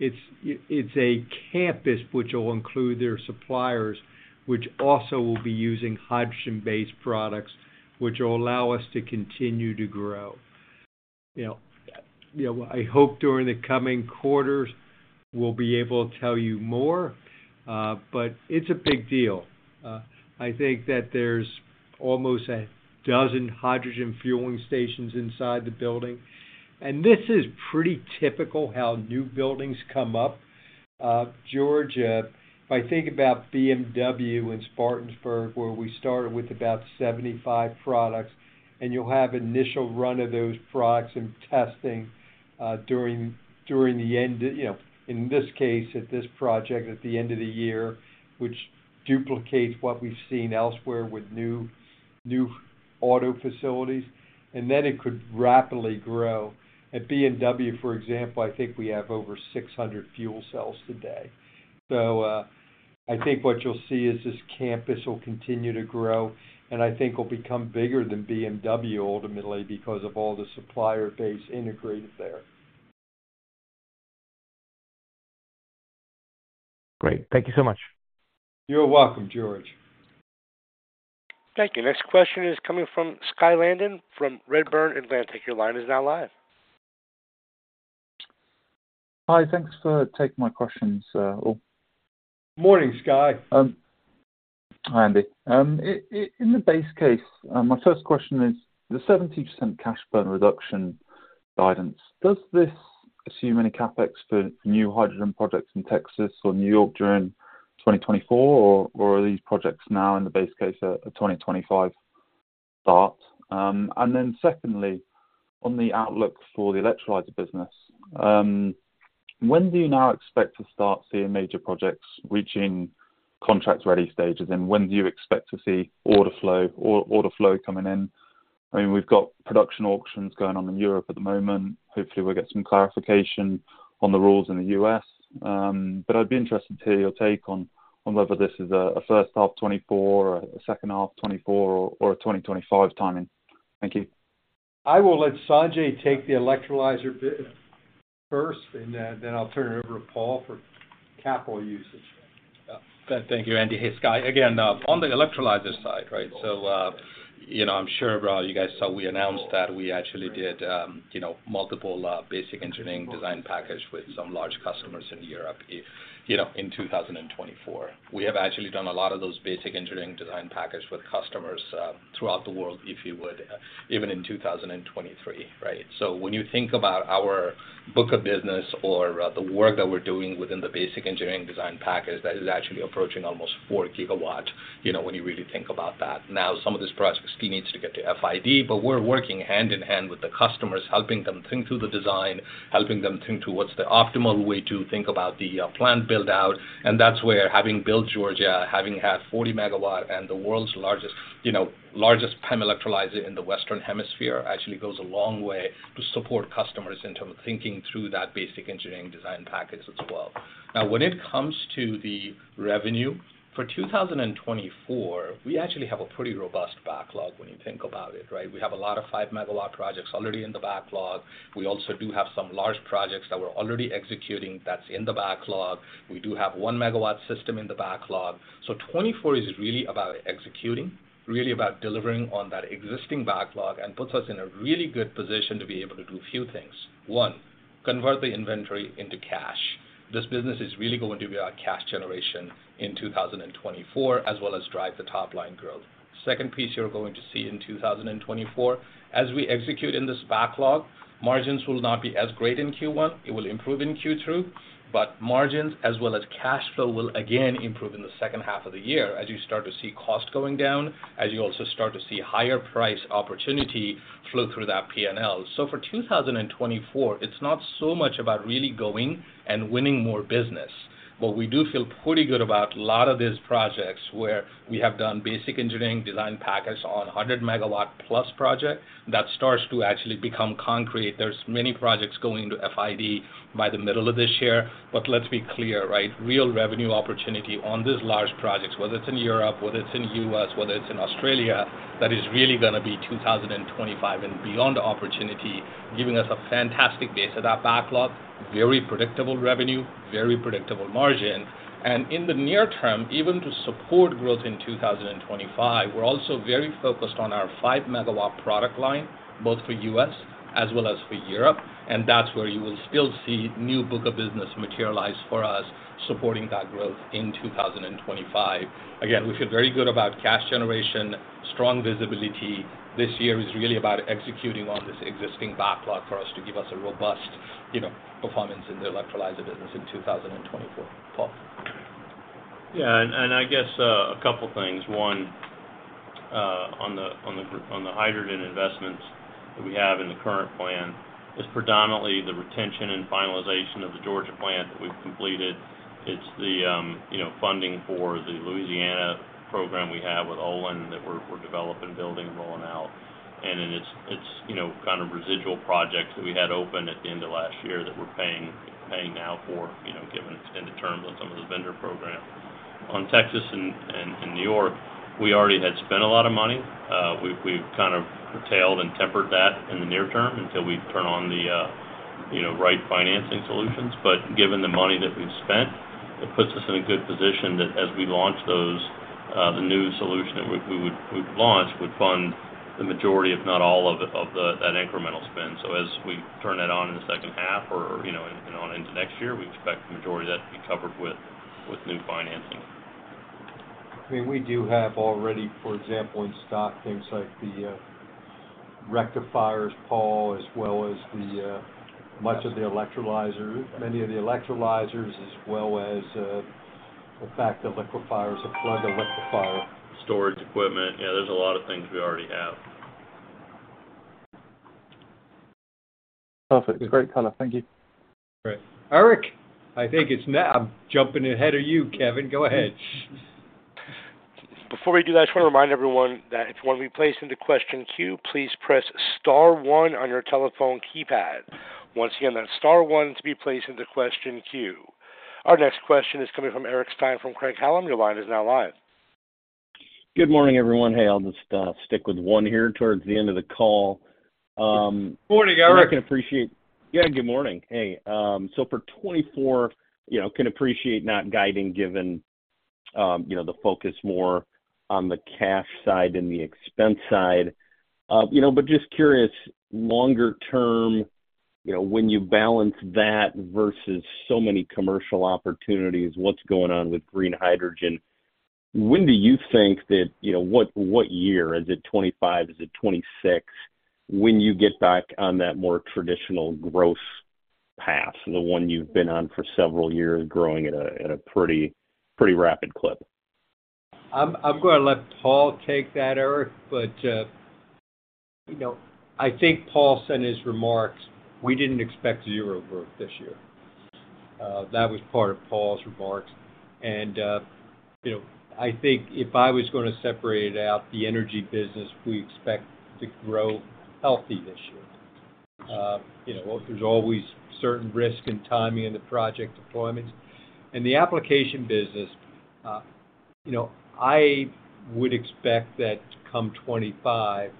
it's a campus, which will include their suppliers, which also will be using hydrogen-based products, which will allow us to continue to grow. I hope during the coming quarters, we'll be able to tell you more. But it's a big deal. I think that there's almost a dozen hydrogen fueling stations inside the building. And this is pretty typical how new buildings come up. George, if I think about BMW in Spartanburg, where we started with about 75 products, and you'll have initial run of those products and testing during the end in this case, at this project, at the end of the year, which duplicates what we've seen elsewhere with new auto facilities. And then it could rapidly grow. At BMW, for example, I think we have over 600 fuel cells today. I think what you'll see is this campus will continue to grow. I think it'll become bigger than BMW ultimately because of all the supplier base integrated there. Great. Thank you so much. You're welcome, George. Thank you. Next question is coming from Skye Landon from Redburn Atlantic. Your line is now live. Hi. Thanks for taking my questions all. Morning, Skye. Hi, Andy. In the base case, my first question is, the 70% cash burn reduction guidance, does this assume any CapEx for new hydrogen projects in Texas or New York during 2024, or are these projects now in the base case a 2025 start? And then secondly, on the outlook for the electrolyzer business, when do you now expect to start seeing major projects reaching contract-ready stages? And when do you expect to see order flow coming in? I mean, we've got production auctions going on in Europe at the moment. Hopefully, we'll get some clarification on the rules in the U.S. But I'd be interested to hear your take on whether this is a first half 2024 or a second half 2024 or a 2025 timing. Thank you. I will let Sanjay take the electrolyzer bit first. And then I'll turn it over to Paul for capital usage. Thank you, Andy. Hey, Sky. Again, on the electrolyzer side, right? So I'm sure, though, you guys saw we announced that we actually did multiple Basic Engineering Design Packages with some large customers in Europe in 2024. We have actually done a lot of those Basic Engineering Design Packages with customers throughout the world, if you would, even in 2023, right? So when you think about our book of business or the work that we're doing within the Basic Engineering Design Package, that is actually approaching almost 4GW when you really think about that. Now, some of this project still needs to get to FID. But we're working hand in hand with the customers, helping them think through the design, helping them think through what's the optimal way to think about the plant buildout. And that's where having built Georgia, having had 40-megawatt and the world's largest PEM electrolyzer in the Western Hemisphere actually goes a long way to support customers in terms of thinking through that basic engineering design package as well. Now, when it comes to the revenue for 2024, we actually have a pretty robust backlog when you think about it, right? We have a lot of 5-megawatt projects already in the backlog. We also do have some large projects that we're already executing that's in the backlog. We do have 1-megawatt system in the backlog. So 2024 is really about executing, really about delivering on that existing backlog, and puts us in a really good position to be able to do a few things. One, convert the inventory into cash. This business is really going to be our cash generation in 2024 as well as drive the top-line growth. Second piece you're going to see in 2024, as we execute in this backlog, margins will not be as great in Q1. It will improve in Q2. But margins as well as cash flow will, again, improve in the second half of the year as you start to see cost going down, as you also start to see higher price opportunity flow through that P&L. So for 2024, it's not so much about really going and winning more business. But we do feel pretty good about a lot of these projects where we have done basic engineering design packages on 100 MW-plus projects that starts to actually become concrete. There's many projects going into FID by the middle of this year. But let's be clear, right? Real revenue opportunity on these large projects, whether it's in Europe, whether it's in the U.S., whether it's in Australia, that is really going to be 2025 and beyond opportunity, giving us a fantastic base at that backlog, very predictable revenue, very predictable margin. In the near term, even to support growth in 2025, we're also very focused on our 5MW product line, both for the U.S. as well as for Europe. That's where you will still see new book of business materialize for us supporting that growth in 2025. Again, we feel very good about cash generation, strong visibility. This year is really about executing on this existing backlog for us to give us a robust performance in the electrolyzer business in 2024. Paul? Yeah. And I guess a couple of things. One, on the hydrogen investments that we have in the current plan is predominantly the retention and finalization of the Georgia plant that we've completed. It's the funding for the Louisiana program we have with Olin that we're developing, building, and rolling out. And then it's kind of residual projects that we had open at the end of last year that we're paying now for, given extended terms on some of the vendor programs. On Texas and New York, we already had spent a lot of money. We've kind of curtailed and tempered that in the near term until we turn on the right financing solutions. But given the money that we've spent, it puts us in a good position that as we launch those, the new solution that we would launch would fund the majority, if not all, of that incremental spend. So as we turn that on in the second half or on into next year, we expect the majority of that to be covered with new financing. I mean, we do have already, for example, in stock things like the rectifiers, Paul, as well as much of the electrolyzers, many of the electrolyzers, as well as the fact the liquefiers, the Plug electrolyzer. Storage equipment. Yeah. There's a lot of things we already have. Perfect. Great, Connor. Thank you. Great. Eric, I think it's now jumping ahead of you. Kevin, go ahead. Before we do that, I just want to remind everyone that if you want to be placed into question queue, please press star one on your telephone keypad. Once again, that's star one to be placed into question queue. Our next question is coming from Eric Stine from Craig-Hallum. Your line is now live. Good morning, everyone. Hey, I'll just stick with one here towards the end of the call. Good morning, Eric. I can appreciate yeah, good morning. Hey. So for 2024, I can appreciate not guiding given the focus more on the cash side and the expense side. But just curious, longer term, when you balance that versus so many commercial opportunities, what's going on with green hydrogen? When do you think that what year? Is it 2025? Is it 2026? When you get back on that more traditional growth path, the one you've been on for several years growing at a pretty rapid clip? I'm going to let Paul take that, Eric. But I think Paul sent his remarks. We didn't expect zero growth this year. That was part of Paul's remarks. And I think if I was going to separate it out, the energy business, we expect to grow healthy this year. There's always certain risk and timing in the project deployments. And the application business, I would expect that come 2025,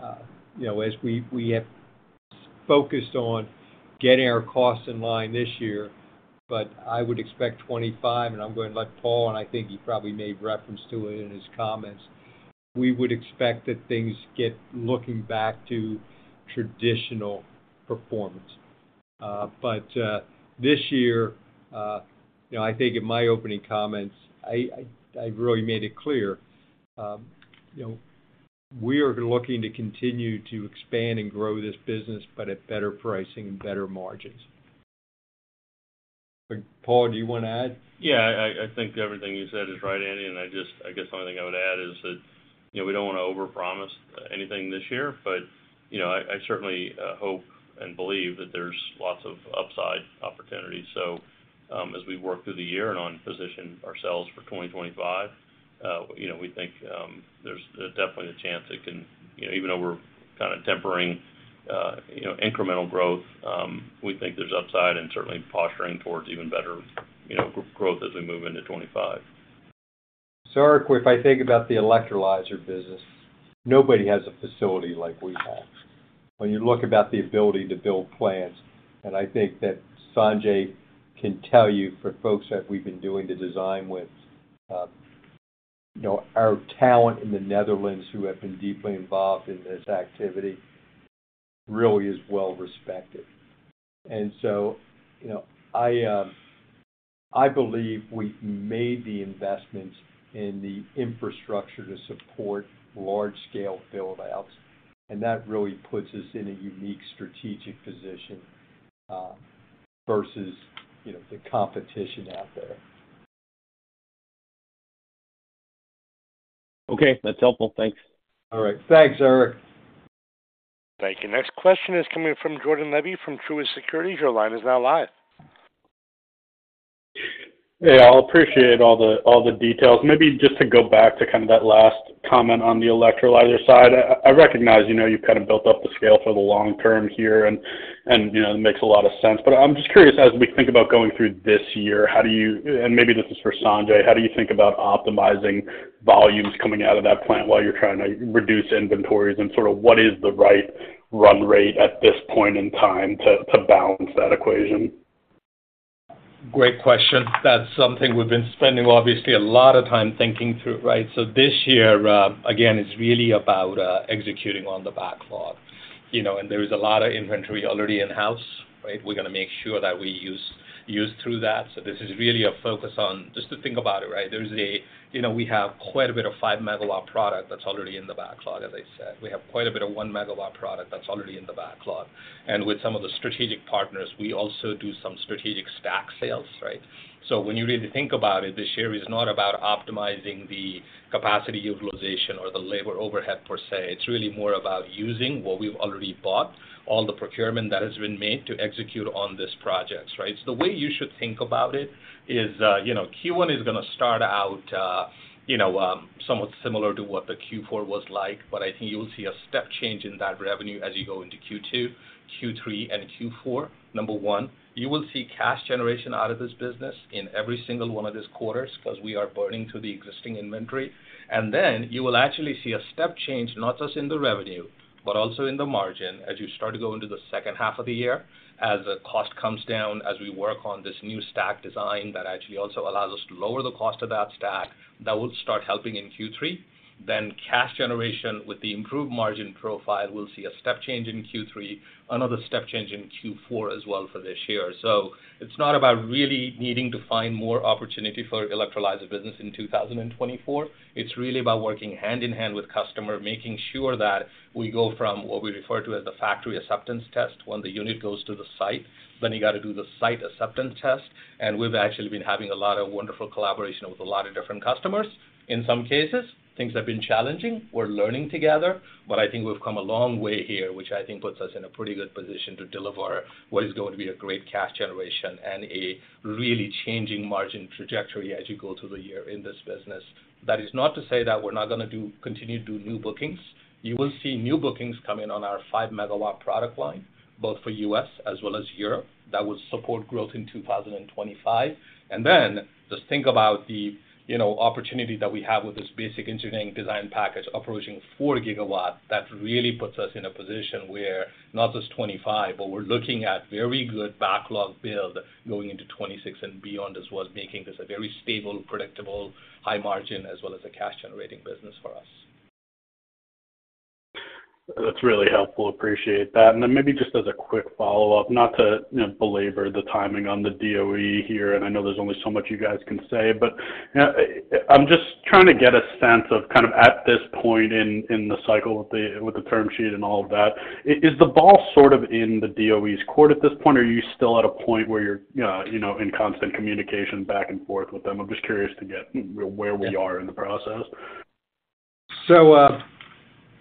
as we have focused on getting our costs in line this year. But I would expect 2025, and I'm going to let Paul, and I think he probably made reference to it in his comments, we would expect that things get looking back to traditional performance. But this year, I think in my opening comments, I really made it clear, we are looking to continue to expand and grow this business, but at better pricing and better margins. Paul, do you want to add? Yeah. I think everything you said is right, Andy. I guess the only thing I would add is that we don't want to overpromise anything this year. But I certainly hope and believe that there's lots of upside opportunities. So as we work through the year and position ourselves for 2025, we think there's definitely a chance it can even though we're kind of tempering incremental growth, we think there's upside and certainly posturing towards even better growth as we move into 2025. So, Eric, if I think about the electrolyzer business, nobody has a facility like we have. When you look about the ability to build plants, and I think that Sanjay can tell you for folks that we've been doing the design with, our talent in the Netherlands who have been deeply involved in this activity really is well-respected. And so I believe we made the investments in the infrastructure to support large-scale buildouts. And that really puts us in a unique strategic position versus the competition out there. Okay. That's helpful. Thanks. All right. Thanks, Eric. Thank you. Next question is coming from Jordan Levy from Truist Securities. Your line is now live. Hey. I'll appreciate all the details. Maybe just to go back to kind of that last comment on the electrolyzer side, I recognize you've kind of built up the scale for the long term here. And it makes a lot of sense. But I'm just curious, as we think about going through this year, how do you and maybe this is for Sanjay, how do you think about optimizing volumes coming out of that plant while you're trying to reduce inventories? And sort of what is the right run rate at this point in time to balance that equation? Great question. That's something we've been spending, obviously, a lot of time thinking through, right? So this year, again, is really about executing on the backlog. And there is a lot of inventory already in-house, right? We're going to make sure that we use through that. So this is really a focus on just to think about it, right? We have quite a bit of 5MW product that's already in the backlog, as I said. We have quite a bit of 1MW product that's already in the backlog. And with some of the strategic partners, we also do some strategic stack sales, right? So when you really think about it, this year is not about optimizing the capacity utilization or the labor overhead per se. It's really more about using what we've already bought, all the procurement that has been made to execute on these projects, right? So the way you should think about it is Q1 is going to start out somewhat similar to what the Q4 was like. But I think you will see a step change in that revenue as you go into Q2, Q3, and Q4. Number one, you will see cash generation out of this business in every single one of these quarters because we are burning through the existing inventory. And then you will actually see a step change, not just in the revenue but also in the margin as you start to go into the second half of the year, as the cost comes down, as we work on this new stack design that actually also allows us to lower the cost of that stack that will start helping in Q3. Then cash generation with the improved margin profile, we'll see a step change in Q3, another step change in Q4 as well for this year. So it's not about really needing to find more opportunity for electrolyzer business in 2024. It's really about working hand in hand with customer, making sure that we go from what we refer to as the factory acceptance test when the unit goes to the site. Then you got to do the site acceptance test. And we've actually been having a lot of wonderful collaboration with a lot of different customers. In some cases, things have been challenging. We're learning together. But I think we've come a long way here, which I think puts us in a pretty good position to deliver what is going to be a great cash generation and a really changing margin trajectory as you go through the year in this business. That is not to say that we're not going to continue to do new bookings. You will see new bookings coming on our 5MW product line, both for the U.S. as well as Europe, that will support growth in 2025. And then just think about the opportunity that we have with this basic engineering design package approaching 4GW. That really puts us in a position where not just 2025, but we're looking at very good backlog build going into 2026 and beyond as well, making this a very stable, predictable, high margin as well as a cash-generating business for us. That's really helpful. Appreciate that. And then maybe just as a quick follow-up, not to belabor the timing on the DOE here, and I know there's only so much you guys can say, but I'm just trying to get a sense of kind of at this point in the cycle with the term sheet and all of that, is the ball sort of in the DOE's court at this point, or are you still at a point where you're in constant communication back and forth with them? I'm just curious to get where we are in the process.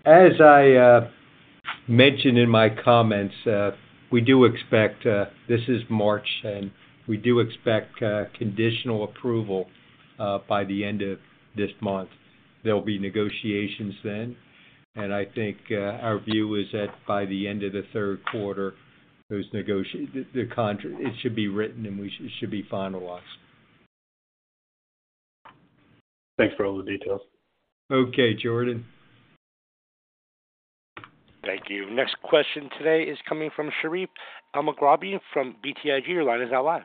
As I mentioned in my comments, we do expect this is March, and we do expect conditional approval by the end of this month. There'll be negotiations then. I think our view is that by the end of the third quarter, it should be written, and it should be finalized. Thanks for all the details. Okay, Jordan. Thank you. Next question today is coming from Sherif Elmaghrabi from BTIG. Your line is now live.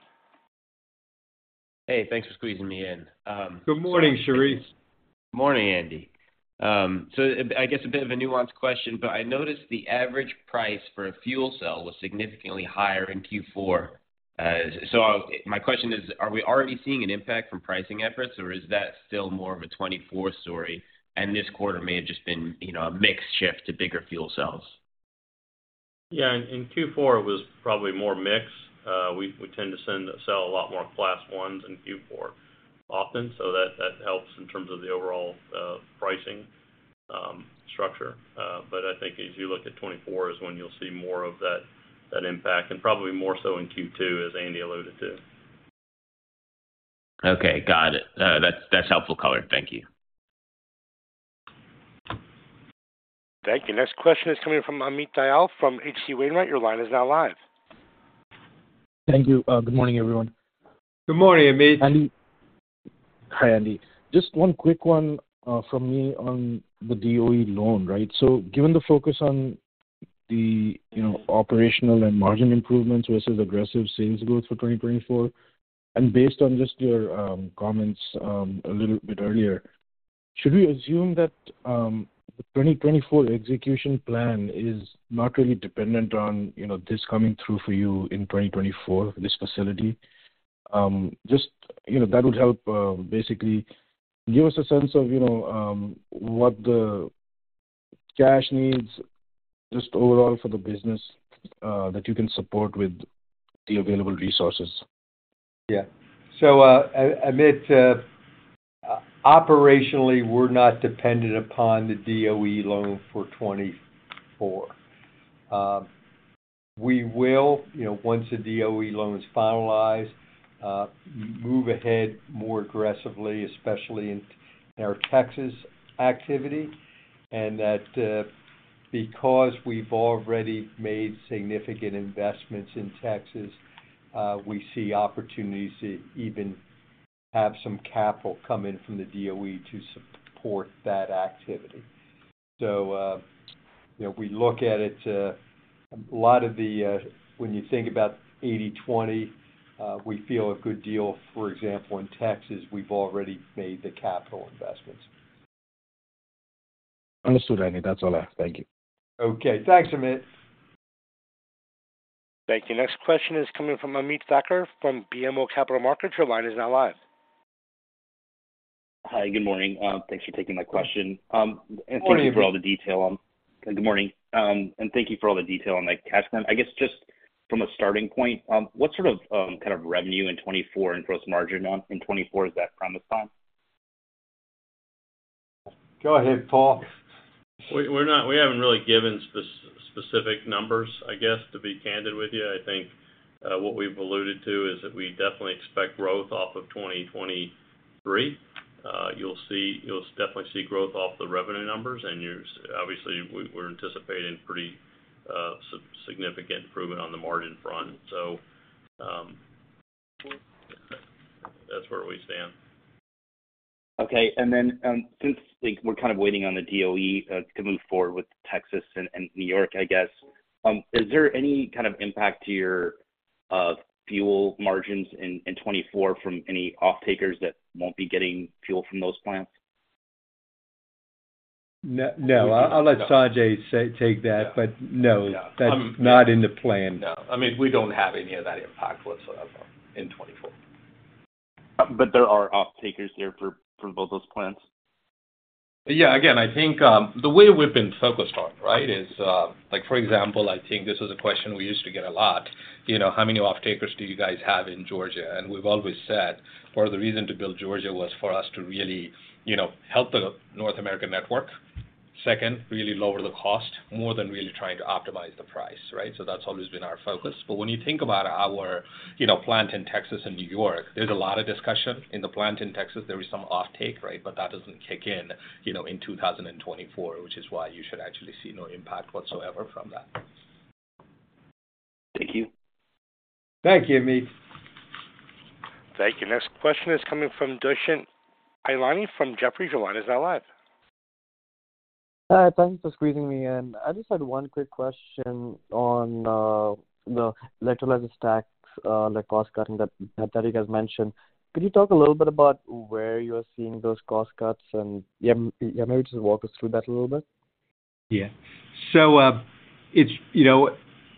Hey. Thanks for squeezing me in. Good morning, Shareef. Good morning, Andy. I guess a bit of a nuanced question, but I noticed the average price for a fuel cell was significantly higher in Q4. My question is, are we already seeing an impact from pricing efforts, or is that still more of a 2024 story? This quarter may have just been a mixed shift to bigger fuel cells. Yeah. In Q4, it was probably more mixed. We tend to sell a lot more Class 1s in Q4 often, so that helps in terms of the overall pricing structure. But I think as you look at 2024 is when you'll see more of that impact and probably more so in Q2, as Andy alluded to. Okay. Got it. That's helpful, Connor. Thank you. Thank you. Next question is coming from Amit Dayal from H.C. Wainwright. Your line is now live. Thank you. Good morning, everyone. Good morning, Amit. Hi, Andy. Just one quick one from me on the DOE loan, right? So given the focus on the operational and margin improvements versus aggressive sales growth for 2024, and based on just your comments a little bit earlier, should we assume that the 2024 execution plan is not really dependent on this coming through for you in 2024, this facility? Just that would help basically give us a sense of what the cash needs just overall for the business that you can support with the available resources. Yeah. So Amit, operationally, we're not dependent upon the DOE loan for 2024. We will, once the DOE loan is finalized, move ahead more aggressively, especially in our Texas activity. And that because we've already made significant investments in Texas, we see opportunities to even have some capital come in from the DOE to support that activity. So we look at it a lot of the when you think about 80/20, we feel a good deal, for example, in Texas, we've already made the capital investments. Understood, Andy. That's all I have. Thank you. Okay. Thanks, Amit. Thank you. Next question is coming from Ameet Thakkar from BMO Capital Markets. Your line is now live. Hi. Good morning. Thanks for taking my question. And thank you for all the detail on the cash plan. I guess just from a starting point, what sort of kind of revenue in 2024 and gross margin in 2024 is that promised time? Go ahead, Paul. We haven't really given specific numbers, I guess, to be candid with you. I think what we've alluded to is that we definitely expect growth off of 2023. You'll definitely see growth off the revenue numbers. And obviously, we're anticipating pretty significant improvement on the margin front. So that's where we stand. Okay. And then since we're kind of waiting on the DOE to move forward with Texas and New York, I guess, is there any kind of impact to your fuel margins in 2024 from any off-takers that won't be getting fuel from those plants? No. I'll let Sanjay take that. But no, that's not in the plan. No. I mean, we don't have any of that impact whatsoever in 2024. There are off-takers there for both those plants? Yeah. Again, I think the way we've been focused on, right, is for example, I think this was a question we used to get a lot, "How many off-takers do you guys have in Georgia?" And we've always said part of the reason to build Georgia was for us to really help the North American network. Second, really lower the cost more than really trying to optimize the price, right? So that's always been our focus. But when you think about our plant in Texas and New York, there's a lot of discussion. In the plant in Texas, there is some offtake, right? But that doesn't kick in in 2024, which is why you should actually see no impact whatsoever from that. Thank you. Thank you, Amit. Thank you. Next question is coming from Dushyant Ailani from Jefferies. Your line is now live. Hi. Thanks for squeezing me in. I just had one quick question on the electrolyzer stacks cost cutting that you guys mentioned. Could you talk a little bit about where you are seeing those cost cuts? And yeah, maybe just walk us through that a little bit. Yeah. So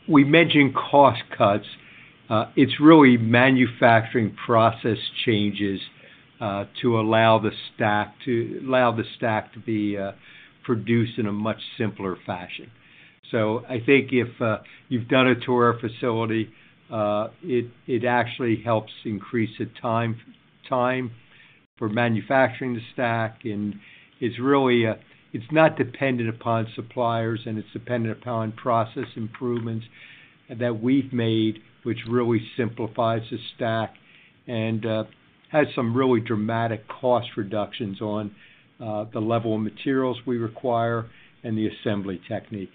we mentioned cost cuts. It's really manufacturing process changes to allow the stack to be produced in a much simpler fashion. So I think if you've done a tour of a facility, it actually helps increase the time for manufacturing the stack. And it's not dependent upon suppliers, and it's dependent upon process improvements that we've made, which really simplifies the stack and has some really dramatic cost reductions on the level of materials we require and the assembly technique.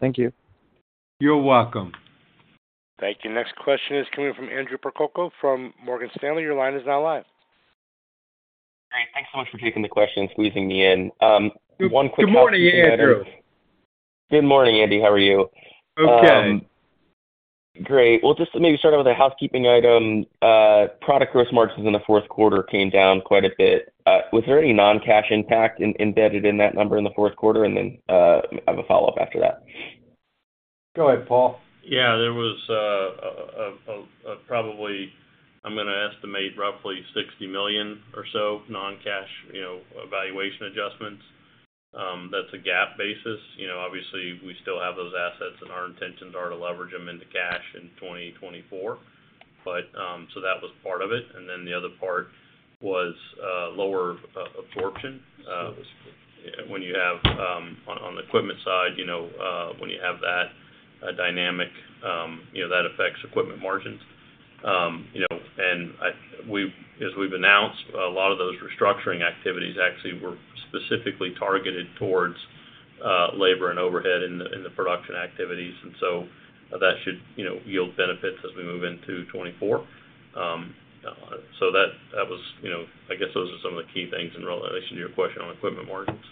Thank you. You're welcome. Thank you. Next question is coming from Andrew Percoco from Morgan Stanley. Your line is now live. Great. Thanks so much for taking the question and squeezing me in. One quick question. Good morning, Andrew. Good morning, Andy. How are you? Okay. Great. Well, just to maybe start out with a housekeeping item, product gross margins in the fourth quarter came down quite a bit. Was there any non-cash impact embedded in that number in the fourth quarter? And then I have a follow-up after that. Go ahead, Paul. Yeah. There was probably. I'm going to estimate roughly $60 million or so non-cash valuation adjustments. That's a GAAP basis. Obviously, we still have those assets, and our intentions are to leverage them into cash in 2024. So that was part of it. And then the other part was lower absorption. When you have on the equipment side, when you have that dynamic, that affects equipment margins. And as we've announced, a lot of those restructuring activities actually were specifically targeted towards labor and overhead in the production activities. And so that should yield benefits as we move into 2024. So that was. I guess those are some of the key things in relation to your question on equipment margins.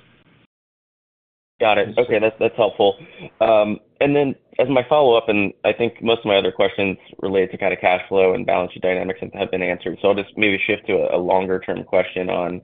Got it. Okay. That's helpful. And then as my follow-up, and I think most of my other questions related to kind of cash flow and balance sheet dynamics have been answered. So I'll just maybe shift to a longer-term question on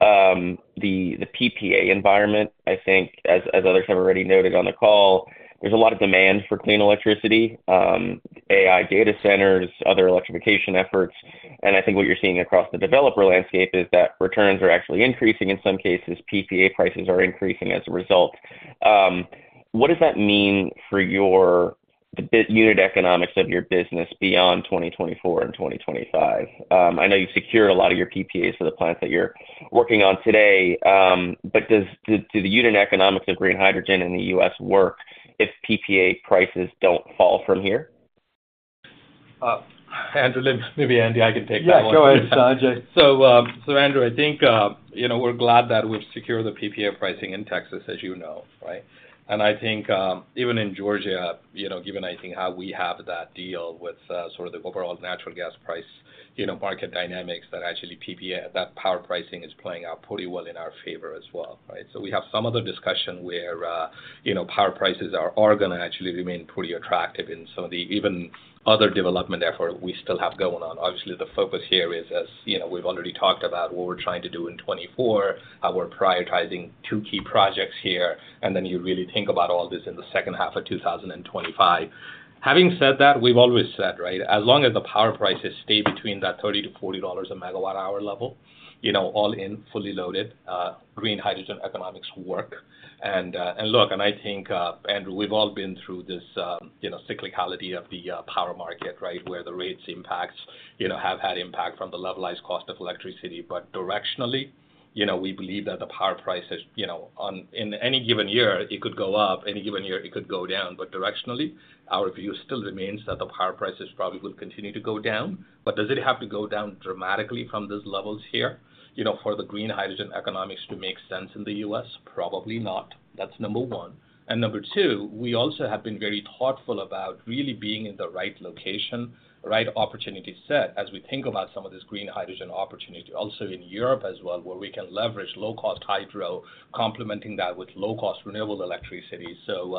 the PPA environment. I think as others have already noted on the call, there's a lot of demand for clean electricity, AI data centers, other electrification efforts. And I think what you're seeing across the developer landscape is that returns are actually increasing. In some cases, PPA prices are increasing as a result. What does that mean for the unit economics of your business beyond 2024 and 2025? I know you've secured a lot of your PPAs for the plants that you're working on today. But do the unit economics of green hydrogen in the U.S. work if PPA prices don't fall from here? Andrew, maybe Andy, I can take that one. Yeah. Go ahead, Sanjay. So Andrew, I think we're glad that we've secured the PPA pricing in Texas, as you know, right? And I think even in Georgia, given I think how we have that deal with sort of the overall natural gas price market dynamics, that actually PPA that power pricing is playing out pretty well in our favor as well, right? So we have some other discussion where power prices are going to actually remain pretty attractive in some of the even other development effort we still have going on. Obviously, the focus here is, as we've already talked about, what we're trying to do in 2024, how we're prioritizing two key projects here. And then you really think about all this in the second half of 2025. Having said that, we've always said, right, as long as the power prices stay between that $30-$40/MWh level, all in, fully loaded, green hydrogen economics work. And look, and I think, Andrew, we've all been through this cyclicality of the power market, right, where the rates impacts have had impact from the levelized cost of electricity. But directionally, we believe that the power prices in any given year, it could go up. Any given year, it could go down. But directionally, our view still remains that the power prices probably will continue to go down. But does it have to go down dramatically from these levels here for the green hydrogen economics to make sense in the U.S.? Probably not. That's number one. And number two, we also have been very thoughtful about really being in the right location, right opportunity set as we think about some of this green hydrogen opportunity also in Europe as well, where we can leverage low-cost hydro, complementing that with low-cost renewable electricity. So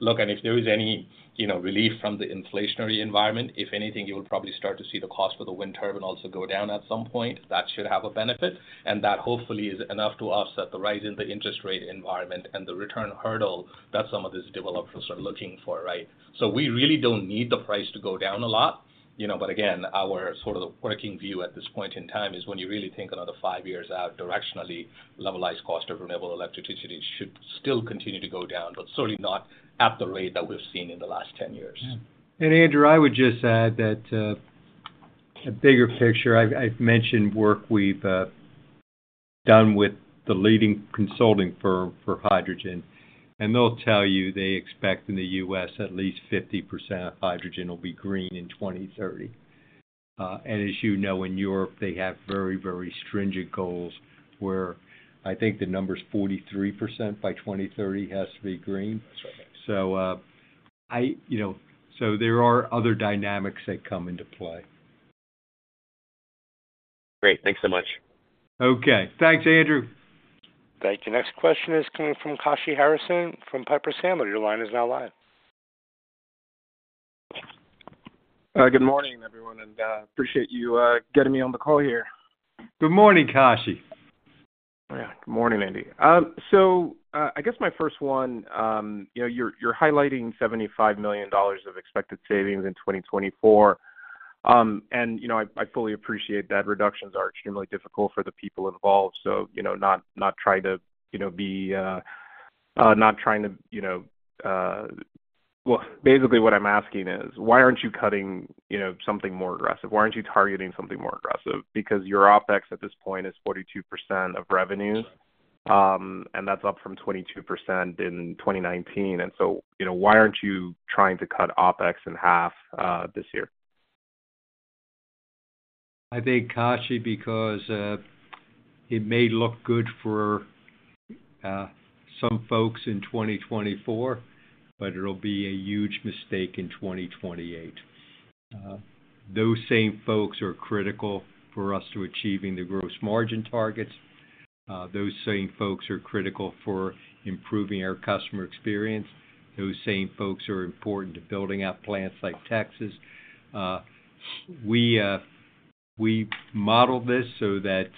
look, and if there is any relief from the inflationary environment, if anything, you will probably start to see the cost for the wind turbine also go down at some point. That should have a benefit. And that hopefully is enough to offset the rise in the interest rate environment and the return hurdle that some of these developers are looking for, right? So we really don't need the price to go down a lot. But again, our sort of working view at this point in time is when you really think another five years out, directionally, levelized cost of renewable electricity should still continue to go down, but certainly not at the rate that we've seen in the last 10 years. Andrew, I would just add that in a bigger picture, I've mentioned work we've done with the leading consulting firm for hydrogen. They'll tell you they expect in the U.S. at least 50% of hydrogen will be green in 2030. As you know, in Europe, they have very, very stringent goals where I think the number is 43% by 2030 has to be green. So there are other dynamics that come into play. Great. Thanks so much. Okay. Thanks, Andrew. Thank you. Next question is coming from Kashy Harrison from Piper Sandler. Your line is now live. Good morning, everyone. And appreciate you getting me on the call here. Good morning, Kashy. Yeah. Good morning, Andy. So I guess my first one, you're highlighting $75 million of expected savings in 2024. And I fully appreciate that. Reductions are extremely difficult for the people involved. So, not trying to be, well, basically, what I'm asking is, why aren't you cutting something more aggressive? Why aren't you targeting something more aggressive? Because your OpEx at this point is 42% of revenue, and that's up from 22% in 2019. And so why aren't you trying to cut OpEx in half this year? I think, Kashy, because it may look good for some folks in 2024, but it'll be a huge mistake in 2028. Those same folks are critical for us to achieving the gross margin targets. Those same folks are critical for improving our customer experience. Those same folks are important to building out plants like Texas. We modeled this so that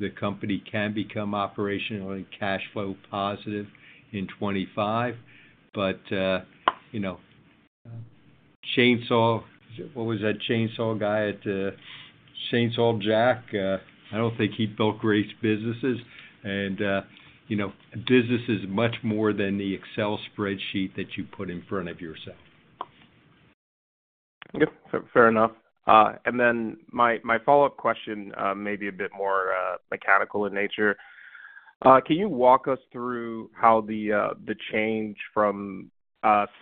the company can become operationally cash flow positive in 2025. But chainsaw what was that chainsaw guy at chainsaw Jack? I don't think he built great businesses. And business is much more than the Excel spreadsheet that you put in front of yourself. Yep. Fair enough. And then my follow-up question may be a bit more mechanical in nature. Can you walk us through how the change from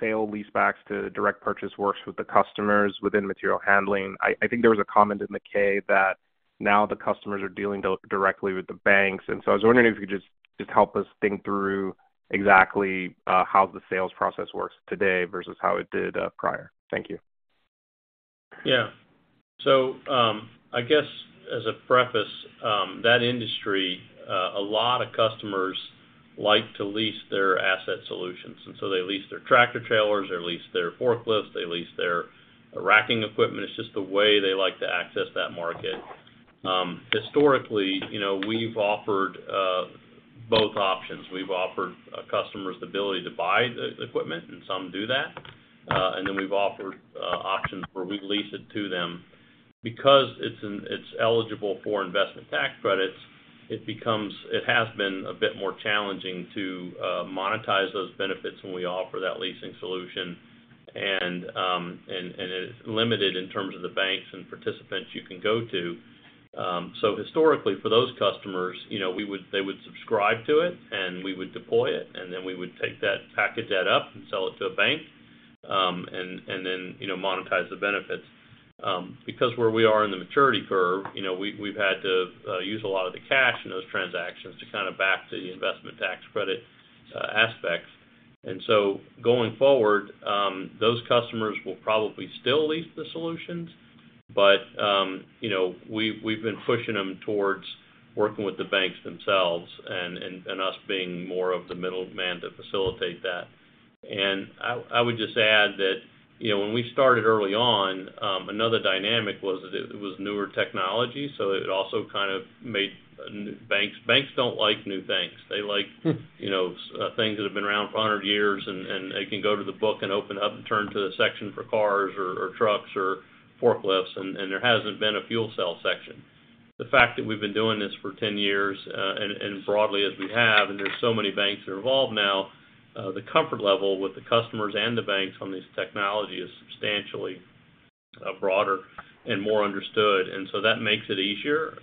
sale leasebacks to direct purchase works with the customers within material handling? I think there was a comment in the K that now the customers are dealing directly with the banks. And so I was wondering if you could just help us think through exactly how the sales process works today versus how it did prior. Thank you. Yeah. So, I guess as a preface, that industry, a lot of customers like to lease their asset solutions. And so they lease their tractor-trailers. They lease their forklifts. They lease their racking equipment. It's just the way they like to access that market. Historically, we've offered both options. We've offered customers the ability to buy the equipment, and some do that. Then we've offered options where we lease it to them. Because it's eligible for investment tax credits, it has been a bit more challenging to monetize those benefits when we offer that leasing solution. It's limited in terms of the banks and participants you can go to. So historically, for those customers, they would subscribe to it, and we would deploy it. Then we would take that, package that up, and sell it to a bank and then monetize the benefits. Because where we are in the maturity curve, we've had to use a lot of the cash in those transactions to kind of back to the investment tax credit aspects. And so going forward, those customers will probably still lease the solutions. But we've been pushing them towards working with the banks themselves and us being more of the middleman to facilitate that. And I would just add that when we started early on, another dynamic was it was newer technology. So it also kind of made banks don't like new things. They like things that have been around for 100 years, and they can go to the book and open up and turn to the section for cars or trucks or forklifts. And there hasn't been a fuel cell section. The fact that we've been doing this for 10 years and broadly as we have, and there's so many banks that are involved now, the comfort level with the customers and the banks on these technologies is substantially broader and more understood. And so that makes it easier.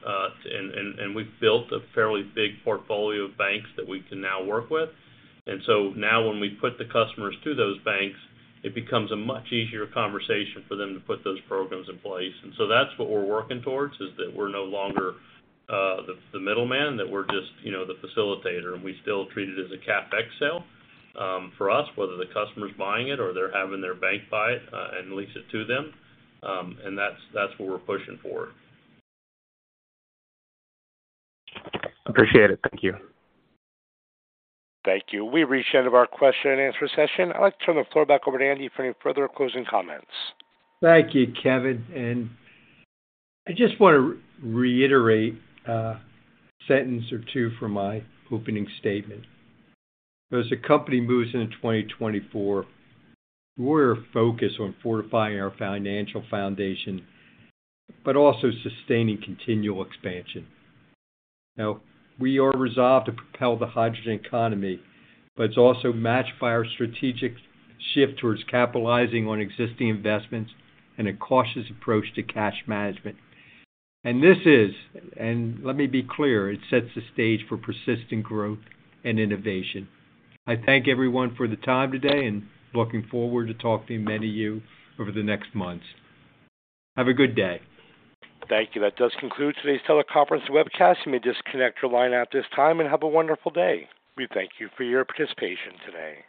And we've built a fairly big portfolio of banks that we can now work with. And so now when we put the customers to those banks, it becomes a much easier conversation for them to put those programs in place. And so that's what we're working towards, is that we're no longer the middleman, that we're just the facilitator. And we still treat it as a CapEx sale for us, whether the customer's buying it or they're having their bank buy it and lease it to them. And that's what we're pushing for. Appreciate it. Thank you. Thank you. We reached the end of our question and answer session. I'd like to turn the floor back over to Andy for any further closing comments. Thank you, Kevin. I just want to reiterate a sentence or two from my opening statement. As a company moves into 2024, we're focused on fortifying our financial foundation but also sustaining continual expansion. Now, we are resolved to propel the hydrogen economy, but it's also matched by our strategic shift towards capitalizing on existing investments and a cautious approach to cash management. This is, let me be clear, it sets the stage for persistent growth and innovation. I thank everyone for the time today, and looking forward to talking to many of you over the next months. Have a good day. Thank you. That does conclude today's teleconference webcast. You may disconnect your line at this time and have a wonderful day. We thank you for your participation today.